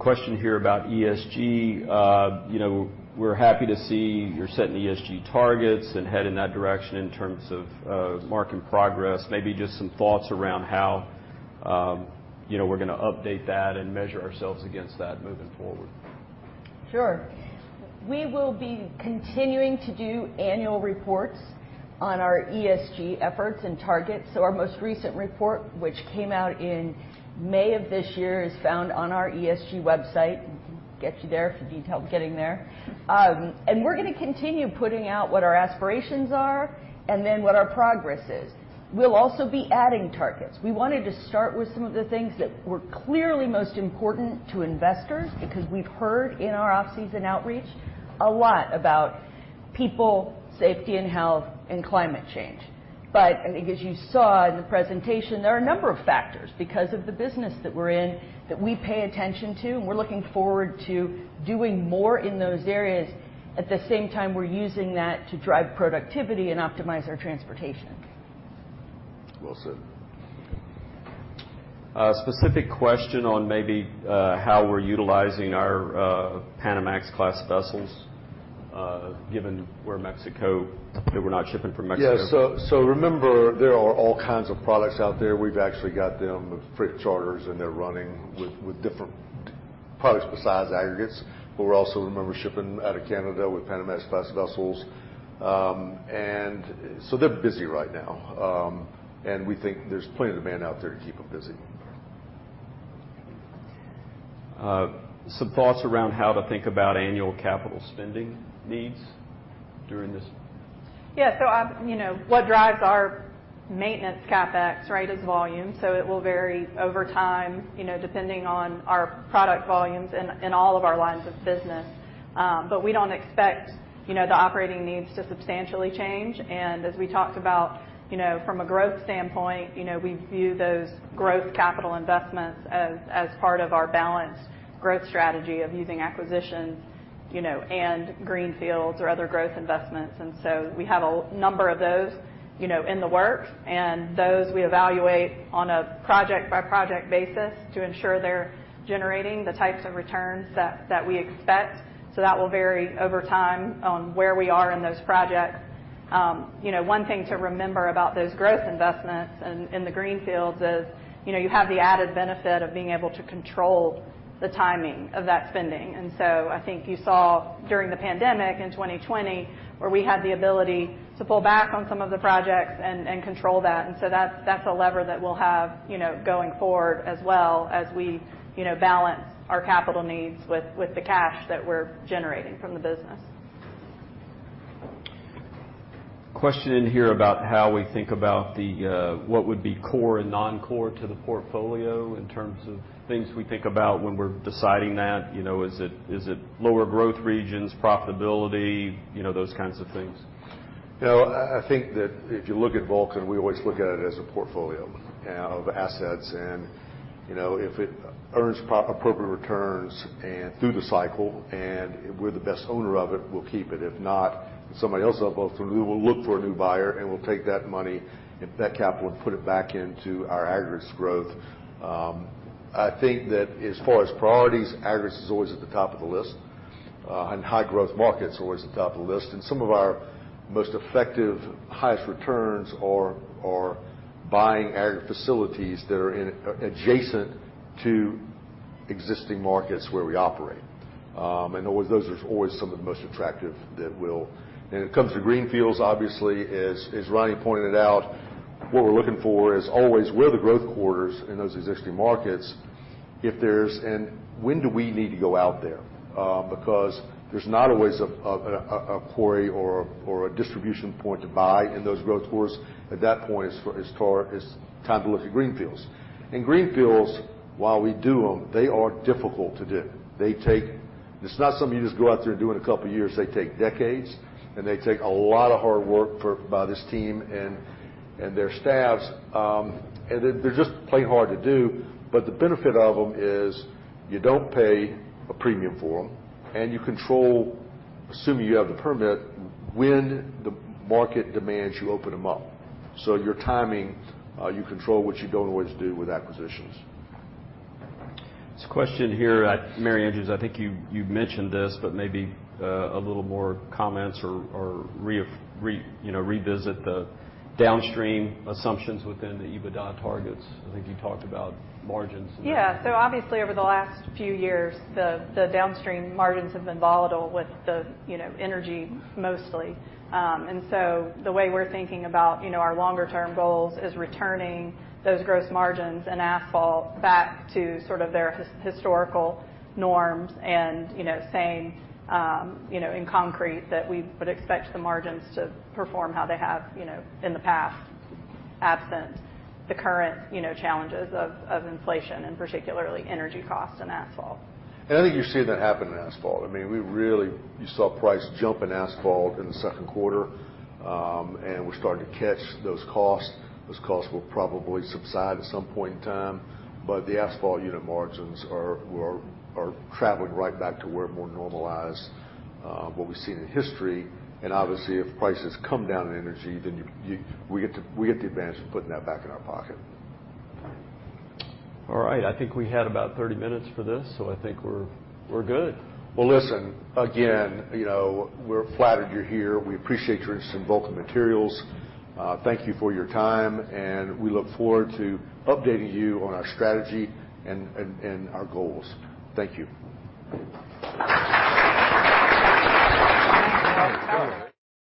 Question here about ESG. You know, we're happy to see you're setting ESG targets and heading that direction in terms of marking progress. Maybe just some thoughts around how, you know, we're gonna update that and measure ourselves against that moving forward. Sure. We will be continuing to do annual reports on our ESG efforts and targets, so our most recent report, which came out in May of this year, is found on our ESG website. Get you there if you need help getting there. We're gonna continue putting out what our aspirations are and then what our progress is. We'll also be adding targets. We wanted to start with some of the things that were clearly most important to investors because we've heard in our off-season outreach a lot about people, safety and health and climate change. As you saw in the presentation, there are a number of factors because of the business that we're in, that we pay attention to, and we're looking forward to doing more in those areas. At the same time, we're using that to drive productivity and optimize our transportation. Well said. A specific question on maybe how we're utilizing our Panamax-class vessels, given we're in Mexico, that we're not shipping from Mexico. Remember, there are all kinds of products out there. We've actually got them with freight charters, and they're running with different products besides aggregates. We're also, remember, shipping out of Canada with Panamax-class vessels. They're busy right now. We think there's plenty of demand out there to keep them busy. Some thoughts around how to think about annual capital spending needs during this. Yeah. You know, what drives our maintenance CapEx, right, is volume. It will vary over time, you know, depending on our product volumes in all of our lines of business. We don't expect, you know, the operating needs to substantially change. As we talked about, you know, from a growth standpoint, you know, we view those growth capital investments as part of our balanced growth strategy of using acquisitions, you know, and greenfields or other growth investments. We have a number of those, you know, in the works, and those we evaluate on a project-by-project basis to ensure they're generating the types of returns that we expect. That will vary over time on where we are in those projects. You know, one thing to remember about those growth investments in the greenfields is, you know, you have the added benefit of being able to control the timing of that spending. I think you saw during the pandemic in 2020 where we had the ability to pull back on some of the projects and control that. That's a lever that we'll have, you know, going forward as well as we, you know, balance our capital needs with the cash that we're generating from the business. Question in here about how we think about the, what would be core and non-core to the portfolio in terms of things we think about when we're deciding that. You know, is it lower growth regions, profitability, you know, those kinds of things? You know, I think that if you look at Vulcan, we always look at it as a portfolio of assets. You know, if it earns appropriate returns and through the cycle and we're the best owner of it, we'll keep it. If not, somebody else will buy it from you. We'll look for a new buyer, and we'll take that money and that capital and put it back into our aggregates growth. I think that as far as priorities, aggregates is always at the top of the list, and high growth markets are always at the top of the list. Some of our most effective, highest returns are buying agg facilities that are adjacent to existing markets where we operate. Those are always some of the most attractive that we'll. When it comes to greenfields, obviously, as Ronnie pointed out, what we're looking for is always where the growth corridors are in those existing markets. If and when do we need to go out there? Because there's not always a quarry or a distribution point to buy in those growth corridors. At that point, it's time to look at greenfields. Greenfields, while we do them, they are difficult to do. It's not something you just go out there and do in a couple of years. They take decades, and they take a lot of hard work by this team and their staffs. They're just plain hard to do. The benefit of them is you don't pay a premium for them, and you control, assuming you have the permit, when the market demands, you open them up. Your timing, you control what you don't always do with acquisitions. There's a question here. Mary Andrews, I think you mentioned this, but maybe a little more comments or, you know, revisit the downstream assumptions within the EBITDA targets. I think you talked about margins. Obviously, over the last few years, the downstream margins have been volatile with the you know energy mostly. The way we're thinking about you know our longer-term goals is returning those gross margins and asphalt back to sort of their historical norms and you know saying you know in concrete that we would expect the margins to perform how they have you know in the past absent the current you know challenges of inflation and particularly energy costs and asphalt. I think you're seeing that happen in asphalt. I mean, you saw price jump in asphalt in the second quarter, and we're starting to catch those costs. Those costs will probably subside at some point in time. The asphalt unit margins are traveling right back to where it's more normalized, what we've seen in history. Obviously, if prices come down in energy, then we get the advantage of putting that back in our pocket. All right. I think we had about 30 minutes for this, so I think we're good. Well, listen, again, you know, we're flattered you're here. We appreciate your interest in Vulcan Materials. Thank you for your time, and we look forward to updating you on our strategy and our goals. Thank you.